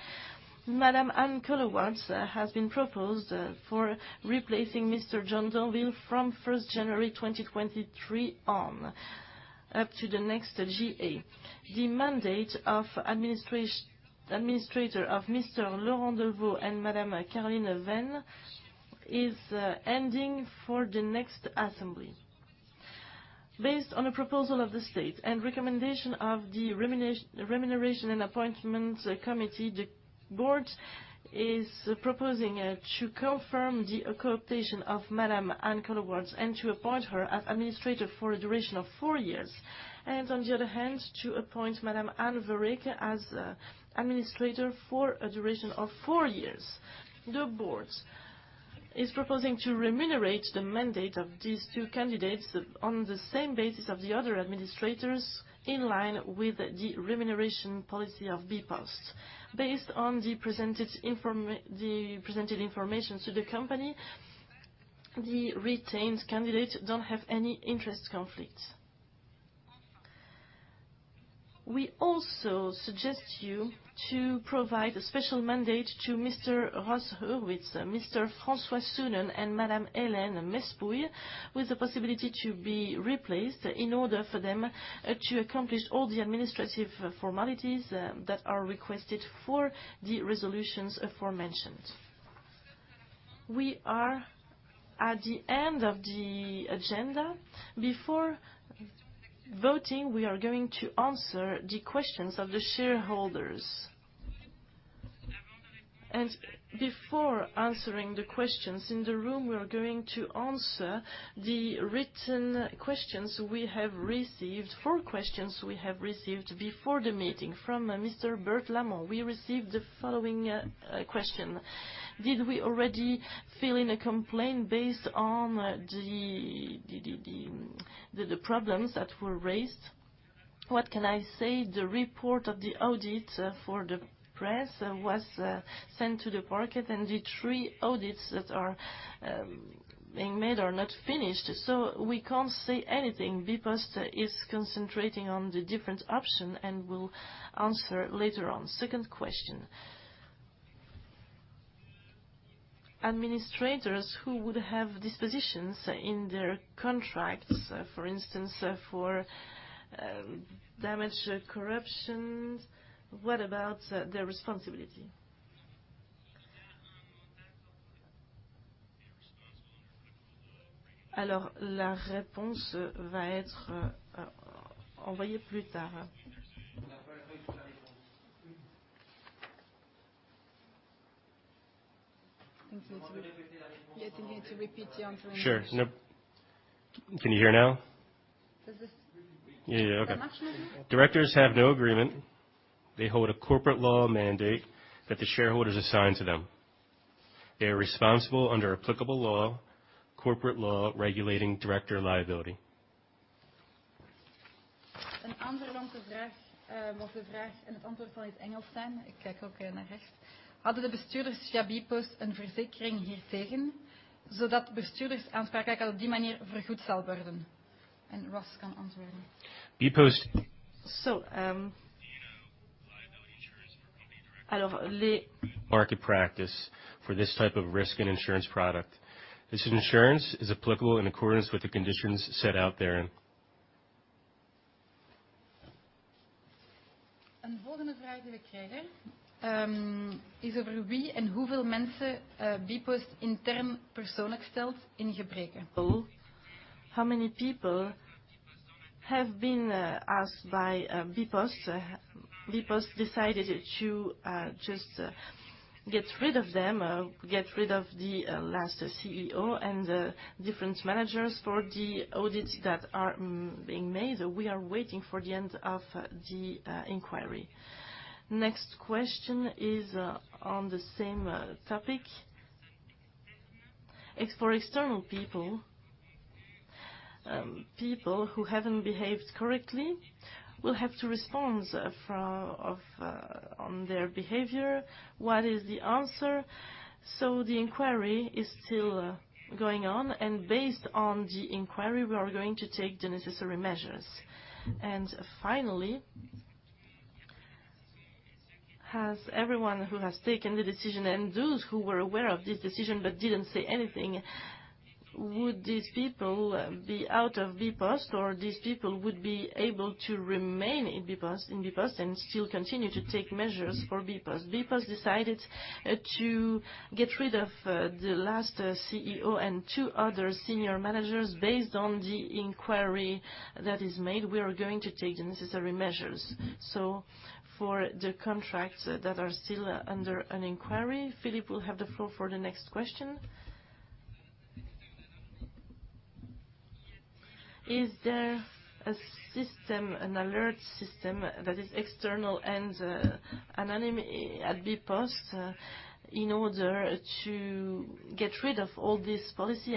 Madame Ann Caluwaerts has been proposed for replacing Mr. Jos Donvil from 1st January 2023 on up to the next GA. The mandate of administrator of Mr. Laurent Levaux and Madame Caroline Ven is ending for the next assembly. Based on a proposal of the state and recommendation of the Remuneration and Appointments Committee, the board is proposing to confirm the co-optation of Madame Ann Caluwaerts and to appoint her as administrator for a duration of four years and on the other hand, to appoint Madame Ann Vereecke as administrator for a duration of four years. The board is proposing to remunerate the mandate of these two candidates on the same basis of the other administrators in line with the remuneration policy of bpost. Based on the presented information to the company, the retained candidates don't have any interest conflict. We also suggest you to provide a special mandate to Mr. Ross Hurwitz, Mr. François Soenen, and Madame Hélène Mespouille with the possibility to be replaced in order for them to accomplish all the administrative formalities that are requested for the resolutions aforementioned. We are at the end of the agenda. Before voting, we are going to answer the questions of the shareholders. Before answering the questions in the room, we are going to answer the written questions we have received. 4 questions we have received before the meeting from Mr. Bert De Laman. We received the following question: Did we already fill in a complaint based on the problems that were raised? What can I say? The report of the audit for the press was sent to the pocket, and the 3 audits that are being made are not finished, so we can't say anything. bpost is concentrating on the different option and will answer later on. 2nd question. Administrators who would have dispositions in their contracts, for instance, for damage, corruption, what about their responsibility? You think you need to repeat your answer. Sure. No... Can you hear now? Does this? Yeah. Okay. that much better? Directors have no agreement. They hold a corporate law mandate that the shareholders assign to them. They are responsible under applicable law, corporate law regulating director liability. Market practice for this type of risk and insurance product. This insurance is applicable in accordance with the conditions set out therein. How many people have been asked by bpost? bpost decided to just get rid of them, get rid of the last CEO and the different managers for the audits that are being made. We are waiting for the end of the inquiry. Next question is on the same topic. It's for external people. People who haven't behaved correctly will have to respond for on their behavior. What is the answer? The inquiry is still going on, and based on the inquiry, we are going to take the necessary measures. Finally, has everyone who has taken the decision and those who were aware of this decision but didn't say anything, would these people be out of bpost, or these people would be able to remain in bpost, in bpost and still continue to take measures for bpost? bpost decided to get rid of the last CEO and two other senior managers based on the inquiry that is made. We are going to take the necessary measures. For the contracts that are still under an inquiry, Philippe will have the floor for the next question. Is there a system, an alert system that is external and anonymous at bpost in order to get rid of all this policy?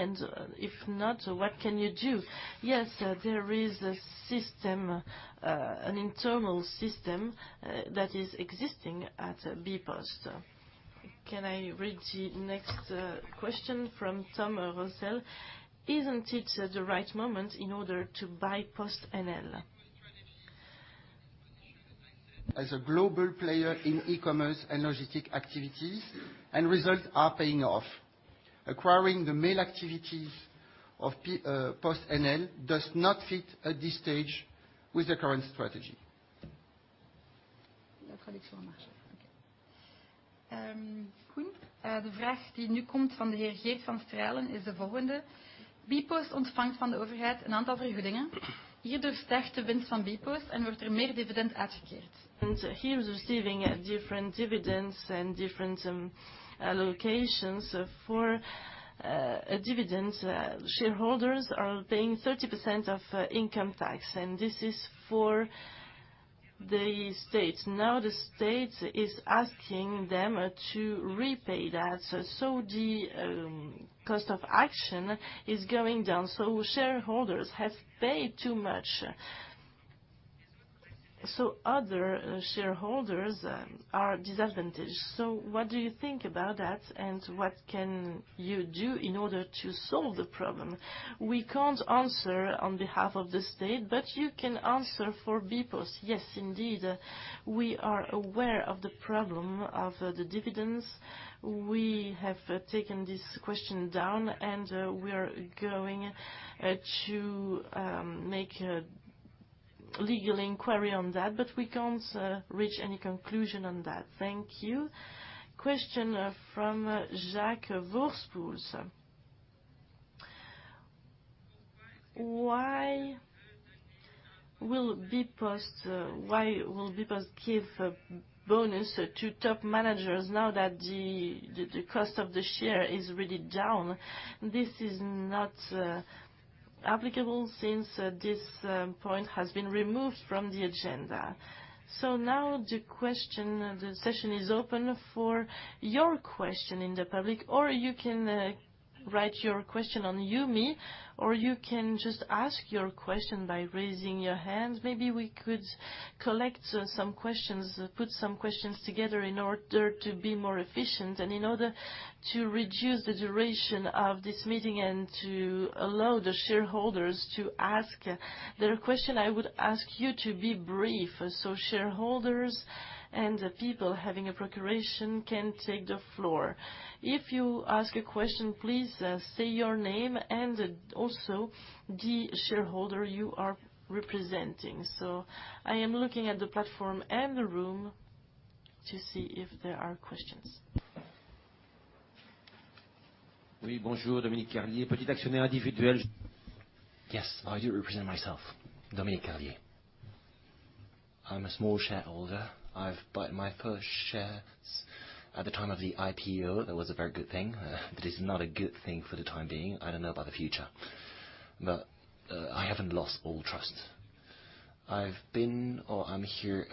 If not, what can you do? Yes, there is a system, an internal system that is existing at bpost. Can I read the next question from Tom Rossel? Isn't it the right moment in order to buy PostNL? As a global player in e-commerce and logistic activities, and results are paying off. Acquiring the mail activities of PostNL does not fit at this stage with the current strategy. Good. He was receiving different dividends and different allocations for dividends. Shareholders are paying 30% of income tax, and this is for the state. The state is asking them to repay that, so the cost of action is going down. Shareholders have paid too much, so other shareholders are disadvantaged. What do you think about that, and what can you do in order to solve the problem? We can't answer on behalf of the state, but you can answer for bpost. Yes, indeed. We are aware of the problem of the dividends. We have taken this question down, and we are going to make a legal inquiry on that, but we can't reach any conclusion on that. Thank you. Question from Jacques Voorspoels. Why will Bpost, why will bpost give a bonus to top managers now that the cost of the share is really down? This is not applicable since this point has been removed from the agenda. Now the question, the session is open for your question in the public, or you can write your question on Lumi, or you can just ask your question by raising your hands. Maybe we could collect some questions, put some questions together in order to be more efficient and in order to reduce the duration of this meeting and to allow the shareholders to ask their question. I would ask you to be brief, so shareholders and the people having a procuration can take the floor. If you ask a question, please say your name and also the shareholder you are representing. I am looking at the platform and the room to see if there are questions. Yes, I do represent myself, Dominique Carlier. I'm a small shareholder. I've bought my first shares at the time of the IPO. That was a very good thing, but it's not a good thing for the time being. I don't know about the future, I haven't lost all trust. I've been or I'm here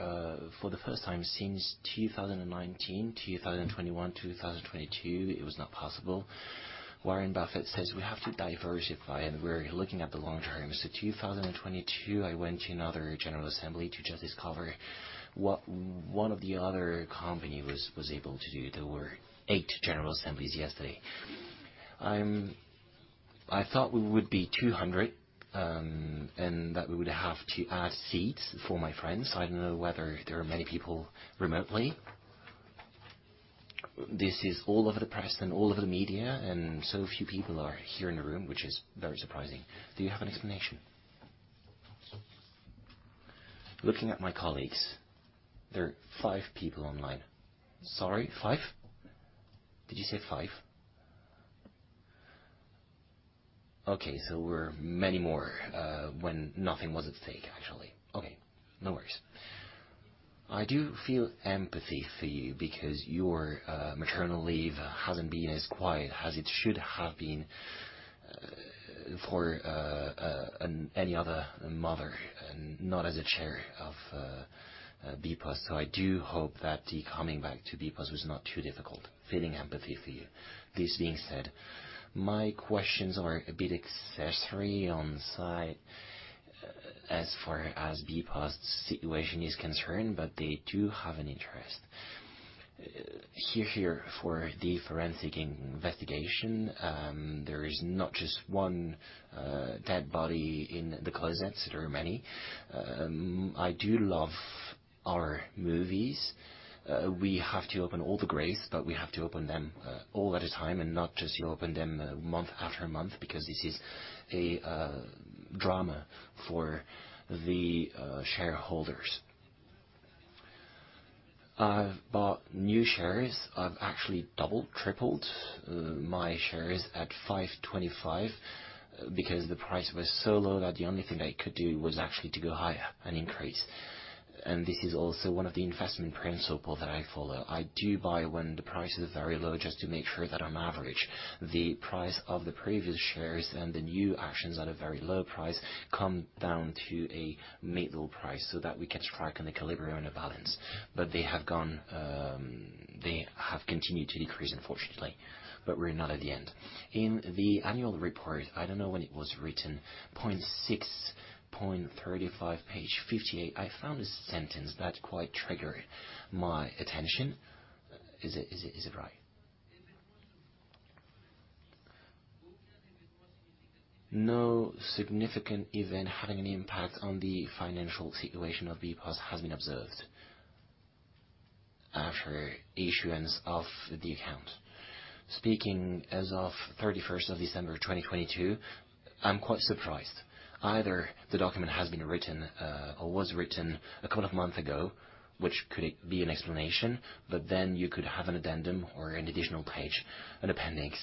for the first time since 2019. 2021, 2022, it was not possible. Warren Buffett says we have to diversify, we're looking at the long term. 2022, I went to another general assembly to just discover what one of the other company was able to do. There were eight general assemblies yesterday. I thought we would be 200, that we would have to add seats for my friends. I don't know whether there are many people remotely. This is all over the press and all over the media, few people are here in the room, which is very surprising. Do you have an explanation? Looking at my colleagues, there are five people online. Sorry, five? Did you say five? Okay. We're many more, when nothing was at stake, actually. Okay, no worries. I do feel empathy for you because your maternal leave hasn't been as quiet as it should have been for any other mother and not as a Chair of bpost. I do hope that the coming back to bpost was not too difficult. Feeling empathy for you. This being said, my questions are a bit accessory on site as far as bpost's situation is concerned, but they do have an interest. Here, here for the forensic investigation, there is not just one dead body in the closets. There are many. I do love our movies. We have to open all the graves, but we have to open them all at a time and not just you open them month after month because this is a drama for the shareholders. I've bought new shares. I've actually doubled, tripled, my shares at 5.25 because the price was so low that the only thing I could do was actually to go higher and increase. This is also one of the investment principle that I follow. I do buy when the price is very low just to make sure that I'm average. The price of the previous shares and the new actions at a very low price come down to a middle price so that we can strike an equilibrium and a balance. They have gone, they have continued to decrease unfortunately, we're not at the end. In the annual report, I don't know when it was written, 6.35, page 58, I found a sentence that quite triggered my attention. Is it right? No significant event having an impact on the financial situation of bpost has been observed after issuance of the account. Speaking as of 31st of December 2022, I'm quite surprised. Either the document has been written, or was written a couple of months ago, which could be an explanation. You could have an addendum or an additional page, an appendix,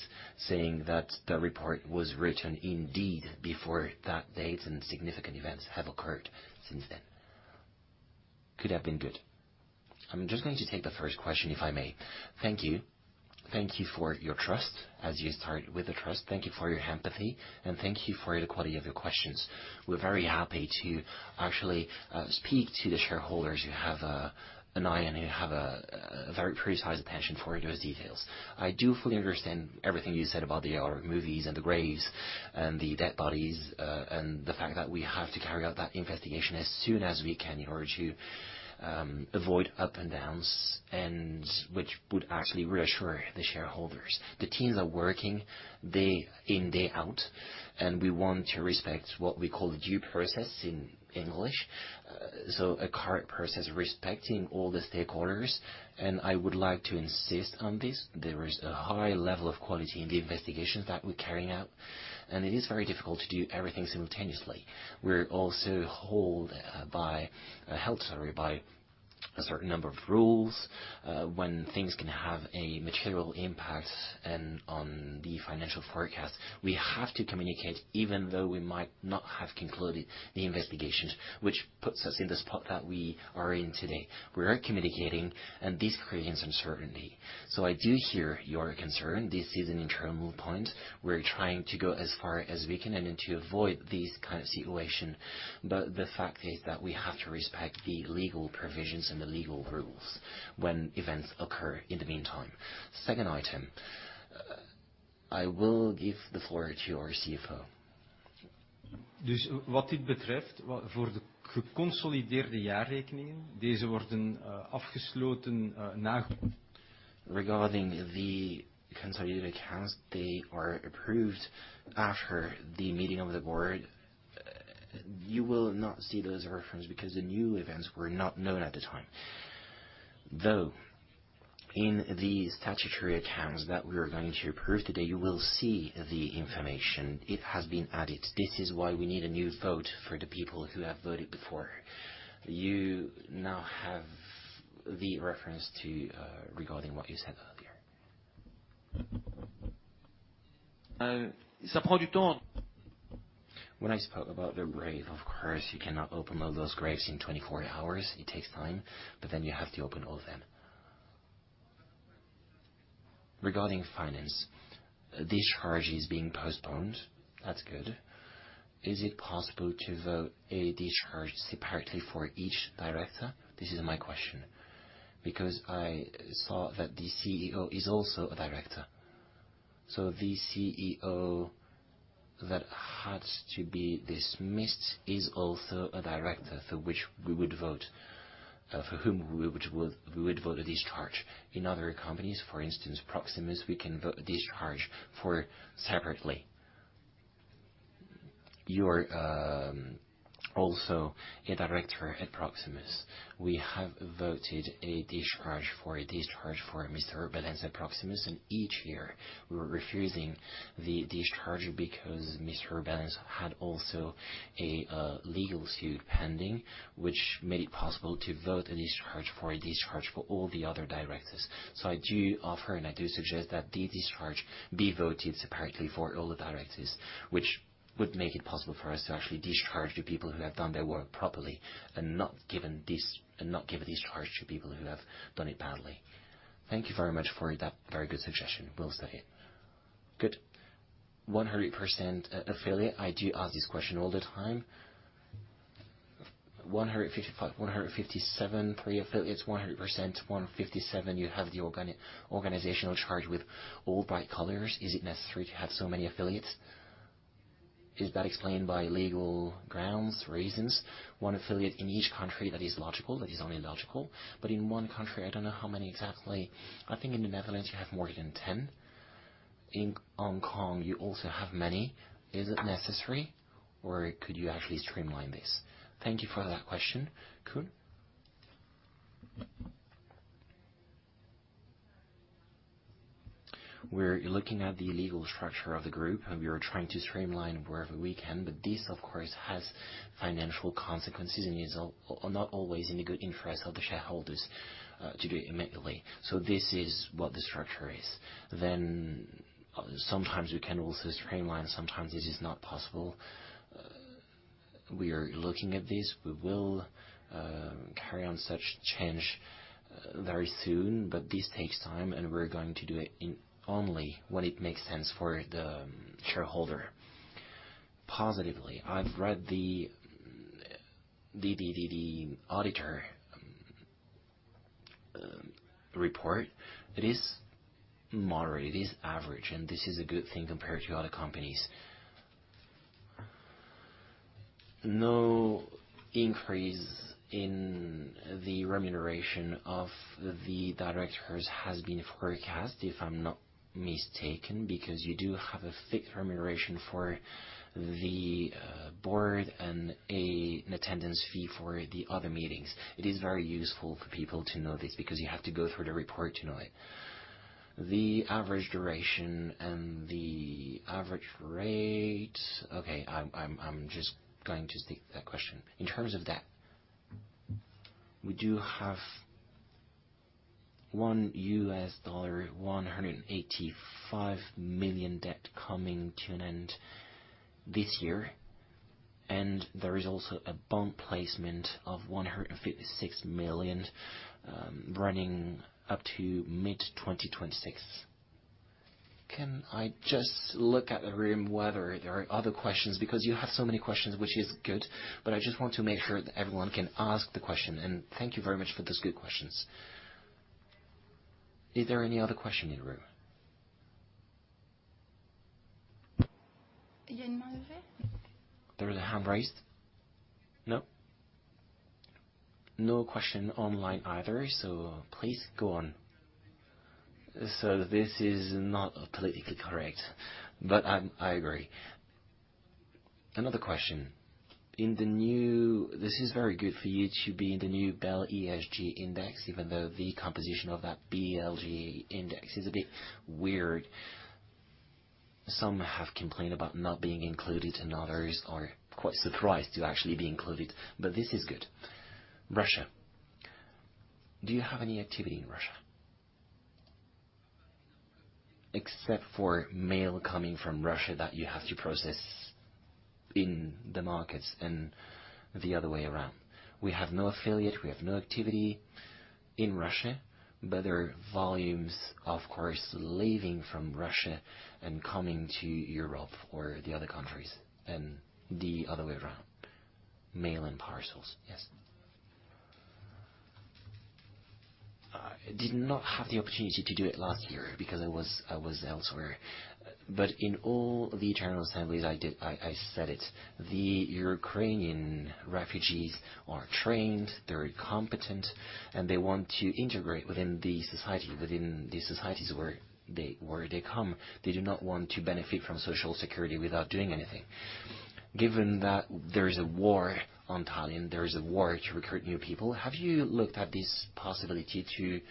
saying that the report was written indeed before that date and significant events have occurred since then. Could have been good. I'm just going to take the first question, if I may. Thank you. Thank you for your trust as you start with the trust. Thank you for your empathy. Thank you for the quality of your questions. We're very happy to actually speak to the shareholders who have an eye and who have a very precise passion for those details. I do fully understand everything you said about the movies and the graves and the dead bodies, and the fact that we have to carry out that investigation as soon as we can in order to avoid up and downs and which would actually reassure the shareholders. The teams are working day in, day out, and we want to respect what we call due process in English. A current process respecting all the stakeholders, and I would like to insist on this. There is a high level of quality in the investigations that we're carrying out, and it is very difficult to do everything simultaneously. We're also held, sorry, by a certain number of rules. When things can have a material impact and on the financial forecast, we have to communicate even though we might not have concluded the investigations, which puts us in the spot that we are in today. We are communicating and this creates uncertainty. I do hear your concern. This is an internal point. We're trying to go as far as we can and to avoid this kind of situation. The fact is that we have to respect the legal provisions and the legal rules when events occur in the meantime. Second item, I will give the floor to our CFO. Regarding the consolidated accounts, they are approved after the meeting of the board. You will not see those reference because the new events were not known at the time. In the statutory accounts that we're going to approve today, you will see the information. It has been added. This is why we need a new vote for the people who have voted before. You now have the reference to regarding what you said earlier. When I spoke about the grave, of course, you cannot open all those graves in 24 hours. It takes time. You have to open all of them. Regarding finance, discharge is being postponed. That's good. Is it possible to vote a discharge separately for each director? This is my question, because I saw that the CEO is also a director. The CEO that had to be dismissed is also a director for which we would vote. Of whom we would vote a discharge. In other companies, for instance, Proximus, we can vote a discharge for separately. You're also a director at Proximus. We have voted a discharge for Mr. Urbain at Proximus, each year we're refusing the discharge because Mr. Urbain had also a legal suit pending, which made it possible to vote a discharge for all the other directors. I do offer, and I do suggest that the discharge be voted separately for all the directors, which would make it possible for us to actually discharge the people who have done their work properly and not give a discharge to people who have done it badly. Thank you very much for that very good suggestion. We'll study it. Good. 100% affiliate. I do ask this question all the time. 155, 157 pre-affiliates, 100%, 157. You have the organizational chart with all bright colors. Is it necessary to have so many affiliates? Is that explained by legal grounds, reasons? One affiliate in each country, that is logical. That is only logical. In one country, I don't know how many exactly. I think in the Netherlands you have more than 10. In Hong Kong, you also have many. Is it necessary, or could you actually streamline this? Thank you for that question, Kun. We're looking at the legal structure of the group, we are trying to streamline wherever we can, but this of course, has financial consequences, and is not always in the good interest of the shareholders to do it immediately. This is what the structure is. Sometimes we can also streamline, sometimes this is not possible. We are looking at this. We will carry on such change very soon, but this takes time, and we're going to do it only when it makes sense for the shareholder. Positively, I've read the EY auditor report. It is moderate, it is average, and this is a good thing compared to other companies. No increase in the remuneration of the directors has been forecast, if I'm not mistaken, because you do have a fixed remuneration for the board and an attendance fee for the other meetings. It is very useful for people to know this because you have to go through the report to know it. The average duration and the average rate... Okay, I'm just going to skip that question. In terms of debt, we do have $185 million debt coming to an end this year. There is also a bond placement of $156 million running up to mid-2026. Can I just look at the room whether there are other questions? Because you have so many questions, which is good, but I just want to make sure that everyone can ask the question, and thank you very much for those good questions. Is there any other question in the room? There is a hand raised. No. No question online either, please go on. This is not politically correct, but I'm, I agree. Another question. In the new... This is very good for you to be in the new BEL ESG index, even though the composition of that BEL ESG index is a bit weird. Some have complained about not being included and others are quite surprised to actually be included. This is good. Russia. Do you have any activity in Russia? Except for mail coming from Russia that you have to process in the markets and the other way around. We have no affiliate, we have no activity in Russia, there are volumes, of course, leaving from Russia and coming to Europe or the other countries and the other way around. Mail and parcels. Yes. I did not have the opportunity to do it last year because I was elsewhere. In all the internal assemblies I did, I said it, the Ukrainian refugees are trained, they're competent, and they want to integrate within the society, within the societies where they come. They do not want to benefit from social security without doing anything. Given that there is a war on talent, there is a war to recruit new people, have you looked at this possibility to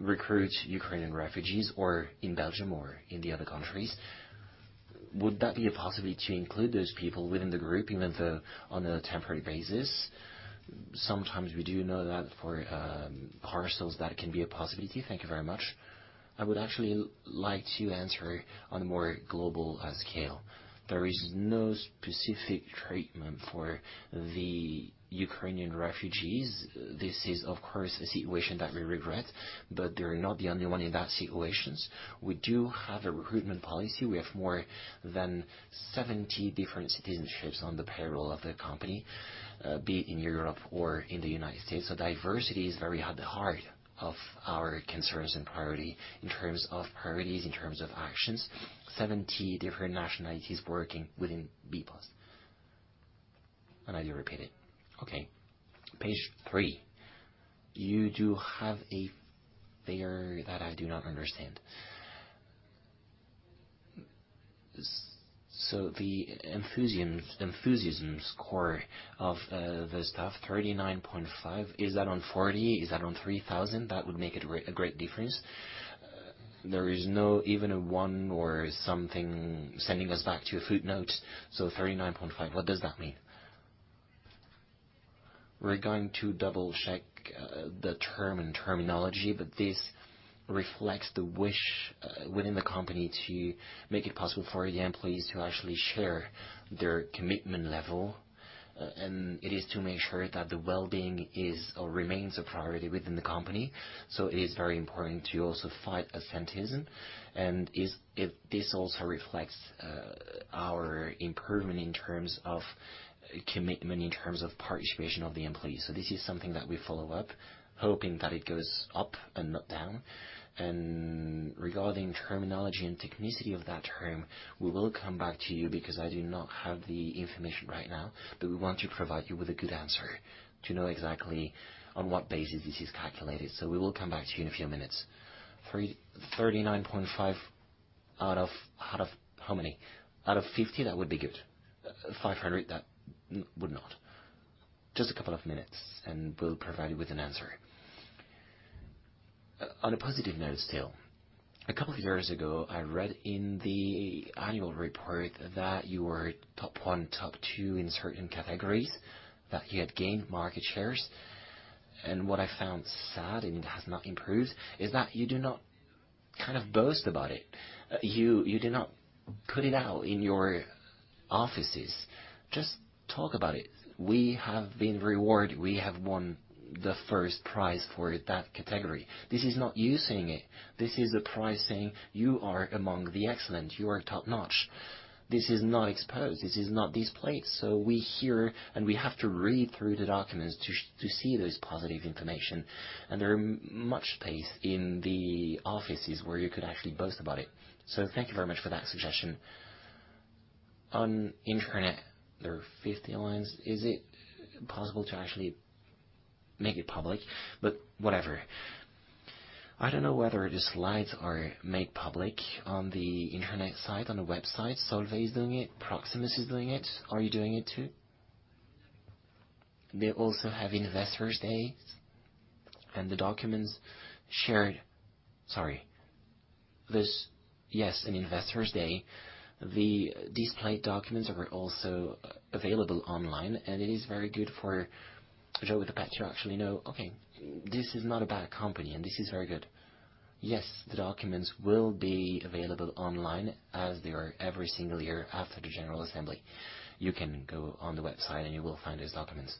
recruit Ukrainian refugees or in Belgium or in the other countries? Would that be a possibility to include those people within the group, even though on a temporary basis? Sometimes we do know that for parcels, that can be a possibility. Thank you very much. I would actually like to answer on a more global scale. There is no specific treatment for the Ukrainian refugees. This is, of course, a situation that we regret, but they're not the only one in that situations. We do have a recruitment policy. We have more than 70 different citizenships on the payroll of the company, be it in Europe or in the United States. Diversity is very at the heart of our concerns and priority in terms of priorities, in terms of actions. 70 different nationalities working within bpost. I do repeat it. Okay. Page 3, you do have a figure that I do not understand. The enthusiasm score of the staff 39.5, is that on 40? Is that on 3,000? That would make a great difference. There is no even a one or something sending us back to a footnote. 39.5, what does that mean? We're going to double-check the term and terminology, but this reflects the wish within the company to make it possible for the employees to actually share their commitment level. It is to make sure that the well-being is or remains a priority within the company. It is very important to also fight absenteeism. If this also reflects our improvement in terms of commitment, in terms of participation of the employees. This is something that we follow up, hoping that it goes up and not down. Regarding terminology and technicity of that term, we will come back to you because I do not have the information right now, but we want to provide you with a good answer to know exactly on what basis this is calculated. We will come back to you in a few minutes. 39.5 out of how many? Out of 50, that would be good. 500, that would not. Just a couple of minutes, and we'll provide you with an answer. On a positive note still. A couple of years ago, I read in the annual report that you were top 1, top 2 in certain categories, that you had gained market shares. What I found sad, and it has not improved, is that you do not kind of boast about it. You do not put it out in your offices. Just talk about it. We have been rewarded. We have won the first prize for that category. This is not you saying it. This is the prize saying you are among the excellent, you are top-notch. This is not exposed. This is not displayed. We hear, and we have to read through the documents to see those positive information. There are much space in the offices where you could actually boast about it. Thank you very much for that suggestion. On internet, there are 50 lines. Is it possible to actually make it public? Whatever. I don't know whether the slides are made public on the internet site, on the website. Solvay is doing it. Proximus is doing it. Are you doing it too? They also have Investors Day and the documents shared... Sorry. This, yes, an Investors Day. The displayed documents are also available online, and it is very good for Joe the Bet to actually know, okay, this is not a bad company and this is very good. Yes, the documents will be available online as they are every single year after the general assembly. You can go on the website and you will find those documents.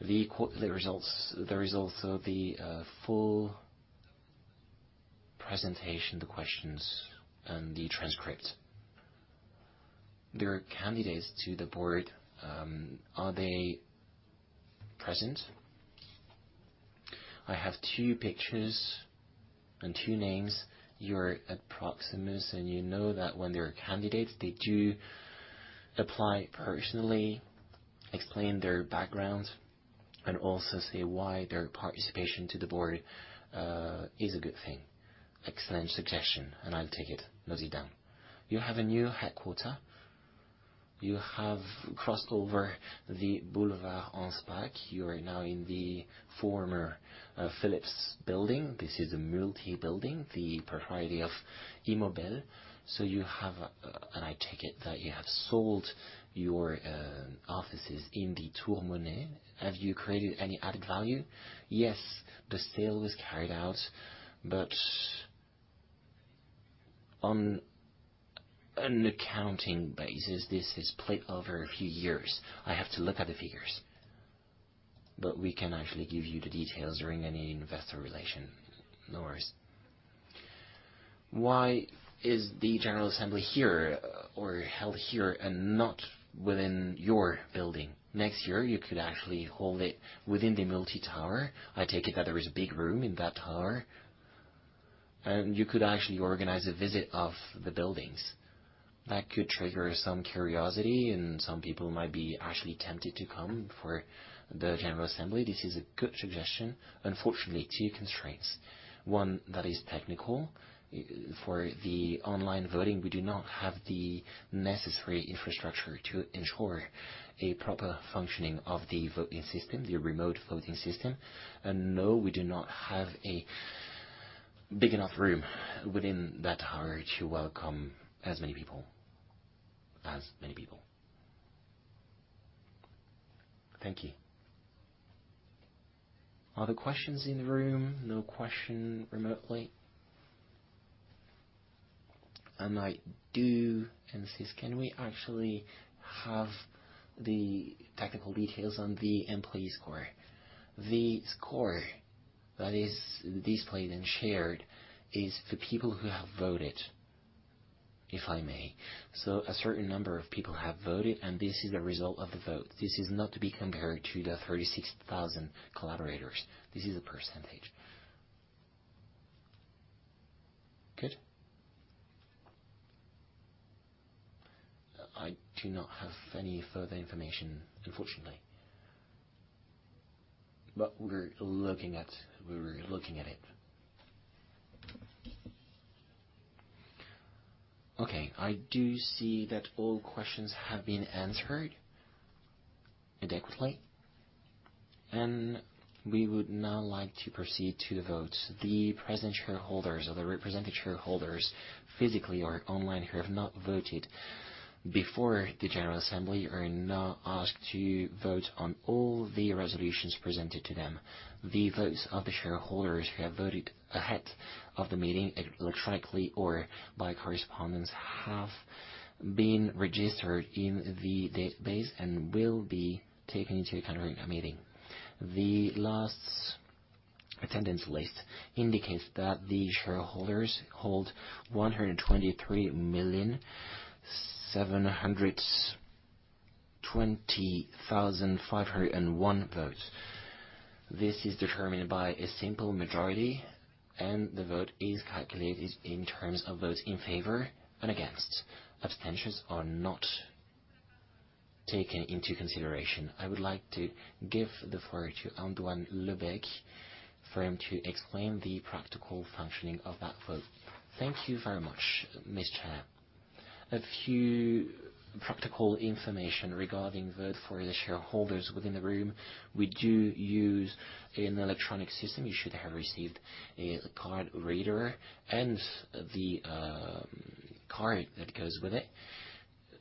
The results of the full presentation, the questions and the transcript. There are candidates to the board, are they present? I have two pictures and two names. You're at Proximus, and you know that when they're candidates, they do apply personally, explain their background, and also say why their participation to the board is a good thing. Excellent suggestion, and I'll take it. Note it down. You have a new headquarter. You have crossed over the Boulevard Anspach. You are now in the former Philips building. This is a multi building, the propriety of Immobel. You have, and I take it that you have sold your offices in the Tour des Finances. Have you created any added value? Yes, the sale was carried out, but on an accounting basis, this is played over a few years. I have to look at the figures. We can actually give you the details during any investor relation. No worries. Why is the general assembly here or held here and not within your building? Next year, you could actually hold it within the multi tower. I take it that there is a big room in that tower, and you could actually organize a visit of the buildings. That could trigger some curiosity and some people might be actually tempted to come for the general assembly. This is a good suggestion. Unfortunately, two constraints. One that is technical. For the online voting, we do not have the necessary infrastructure to ensure a proper functioning of the voting system, the remote voting system. No, we do not have a big enough room within that tower to welcome as many people. Thank you. Other questions in the room? No question remotely. directI do insist, can we actually have the technical details on the employee score? The score that is displayed and shared is the people who have voted, if I may. A certain number of people have voted, and this is the result of the vote. This is not to be compared to the 36,000 collaborators. This is a percentage. Good. I do not have any further information, unfortunately. We're looking at it. Okay. I do see that all questions have been answered adequately, and we would now like to proceed to vote. The present shareholders or the represented shareholders, physically or online, who have not voted before the general assembly are now asked to vote on all the resolutions presented to them. The votes of the shareholders who have voted ahead of the meeting, electronically or by correspondence, have been registered in the database and will be taken into account during the meeting. The last attendance list indicates that the shareholders hold 123,720,501 votes. This is determined by a simple majority, and the vote is calculated in terms of votes in favor and against. Abstentions are not taken into consideration. I would like to give the floor to Antoine Lebecq for him to explain the practical functioning of that vote. Thank you very much, Mr. Chair. A few practical information regarding vote for the shareholders within the room. We do use an electronic system. You should have received a card reader and the card that goes with it.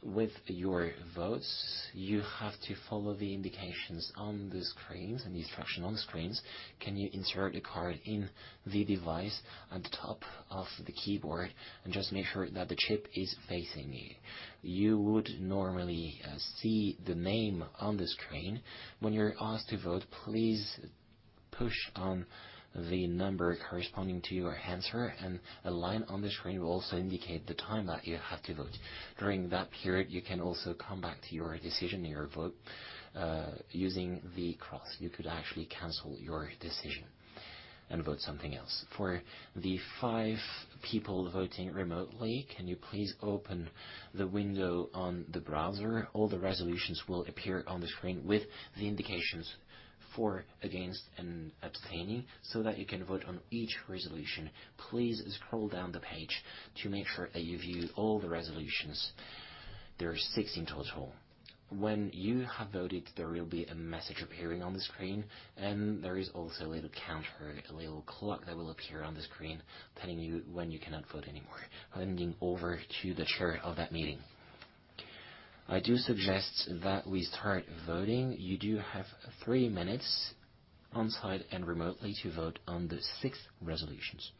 With your votes, you have to follow the indications on the screens, the instruction on screens. Can you insert the card in the device at the top of the keyboard and just make sure that the chip is facing you? You would normally see the name on the screen. When you're asked to vote, please push on the number corresponding to your answer, and a line on the screen will also indicate the time that you have to vote. During that period, you can also come back to your decision, your vote, using the cross. You could actually cancel your decision and vote something else. For the five people voting remotely, can you please open the window on the browser? All the resolutions will appear on the screen with the indications for, against, and abstaining, so that you can vote on each resolution. Please scroll down the page to make sure that you view all the resolutions. There are 16 total. When you have voted, there will be a message appearing on the screen, and there is also a little counter, a little clock that will appear on the screen telling you when you cannot vote anymore. Handing over to the chair of that meeting. I do suggest that we start voting. You do have three minutes on-site and remotely to vote on the six resolutions.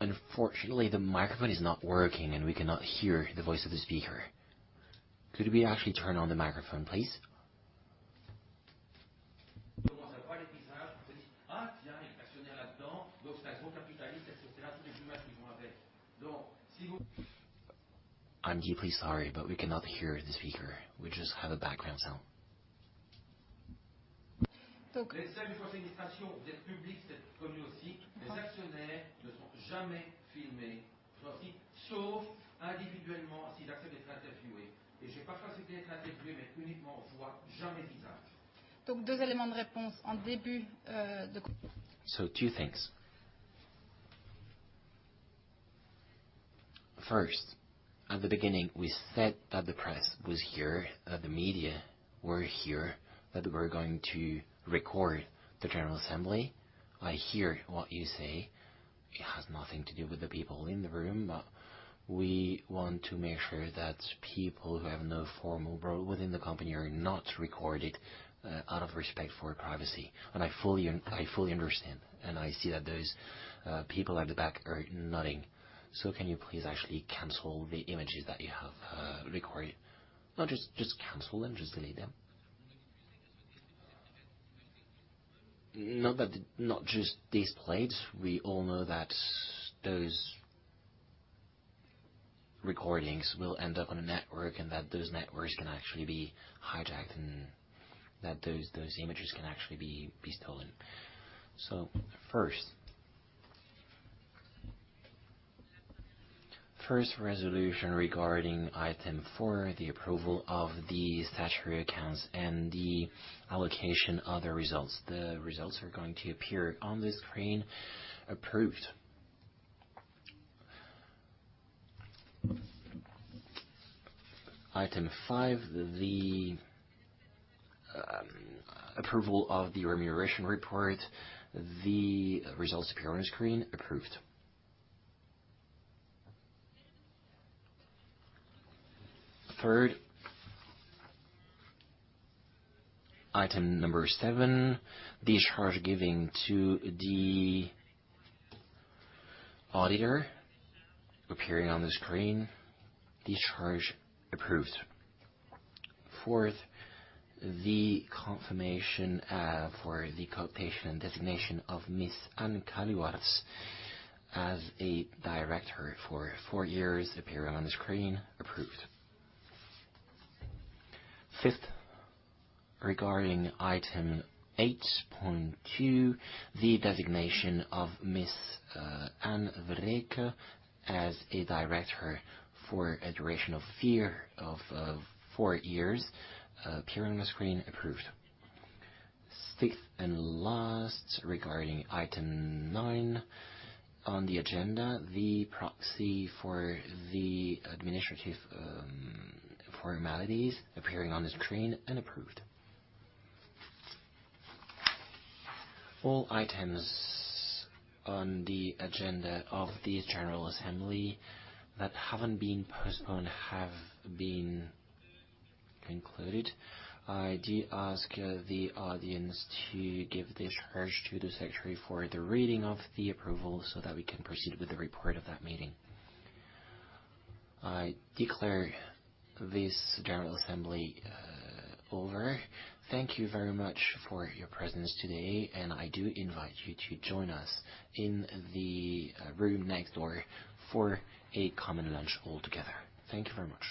Unfortunately, the microphone is not working and we cannot hear the voice of the speaker. Could we actually turn on the microphone, please? I'm deeply sorry, but we cannot hear the speaker. We just have a background sound. Two things. First, at the beginning, we said that the press was here, that the media were here, that we're going to record the general assembly. I hear what you say. It has nothing to do with the people in the room, but we want to make sure that people who have no formal role within the company are not recorded, out of respect for privacy. I fully understand, and I see that those people at the back are nodding. Can you please actually cancel the images that you have recorded? No, just cancel them. Just delete them. Not that, not just these plates. We all know that those recordings will end up on a network and that those networks can actually be hijacked and that those images can actually be stolen. First resolution regarding item 4, the approval of the statutory accounts and the allocation of the results. The results are going to appear on the screen. Approved. Item 5, the approval of the remuneration report. The results appear on the screen. Approved. Third. Item number 7, discharge giving to the auditor. Appearing on the screen. Discharge approved. Fourth, the confirmation for the co-optation and designation of Miss Ann Caluwaerts as a director for 4 years. Appearing on the screen. Approved. Fifth, regarding item 8, point 2, the designation of Miss Ann Vereecke as a director for a duration of four, of 4 years. Appearing on the screen. Approved. Sixth and last, regarding item 9 on the agenda, the proxy for the administrative formalities. Appearing on the screen and approved. All items on the agenda of the general assembly that haven't been postponed have been concluded. I do ask the audience to give discharge to the secretary for the reading of the approval so that we can proceed with the report of that meeting. I declare this general assembly over. Thank you very much for your presence today, and I do invite you to join us in the room next door for a common lunch all together. Thank you very much.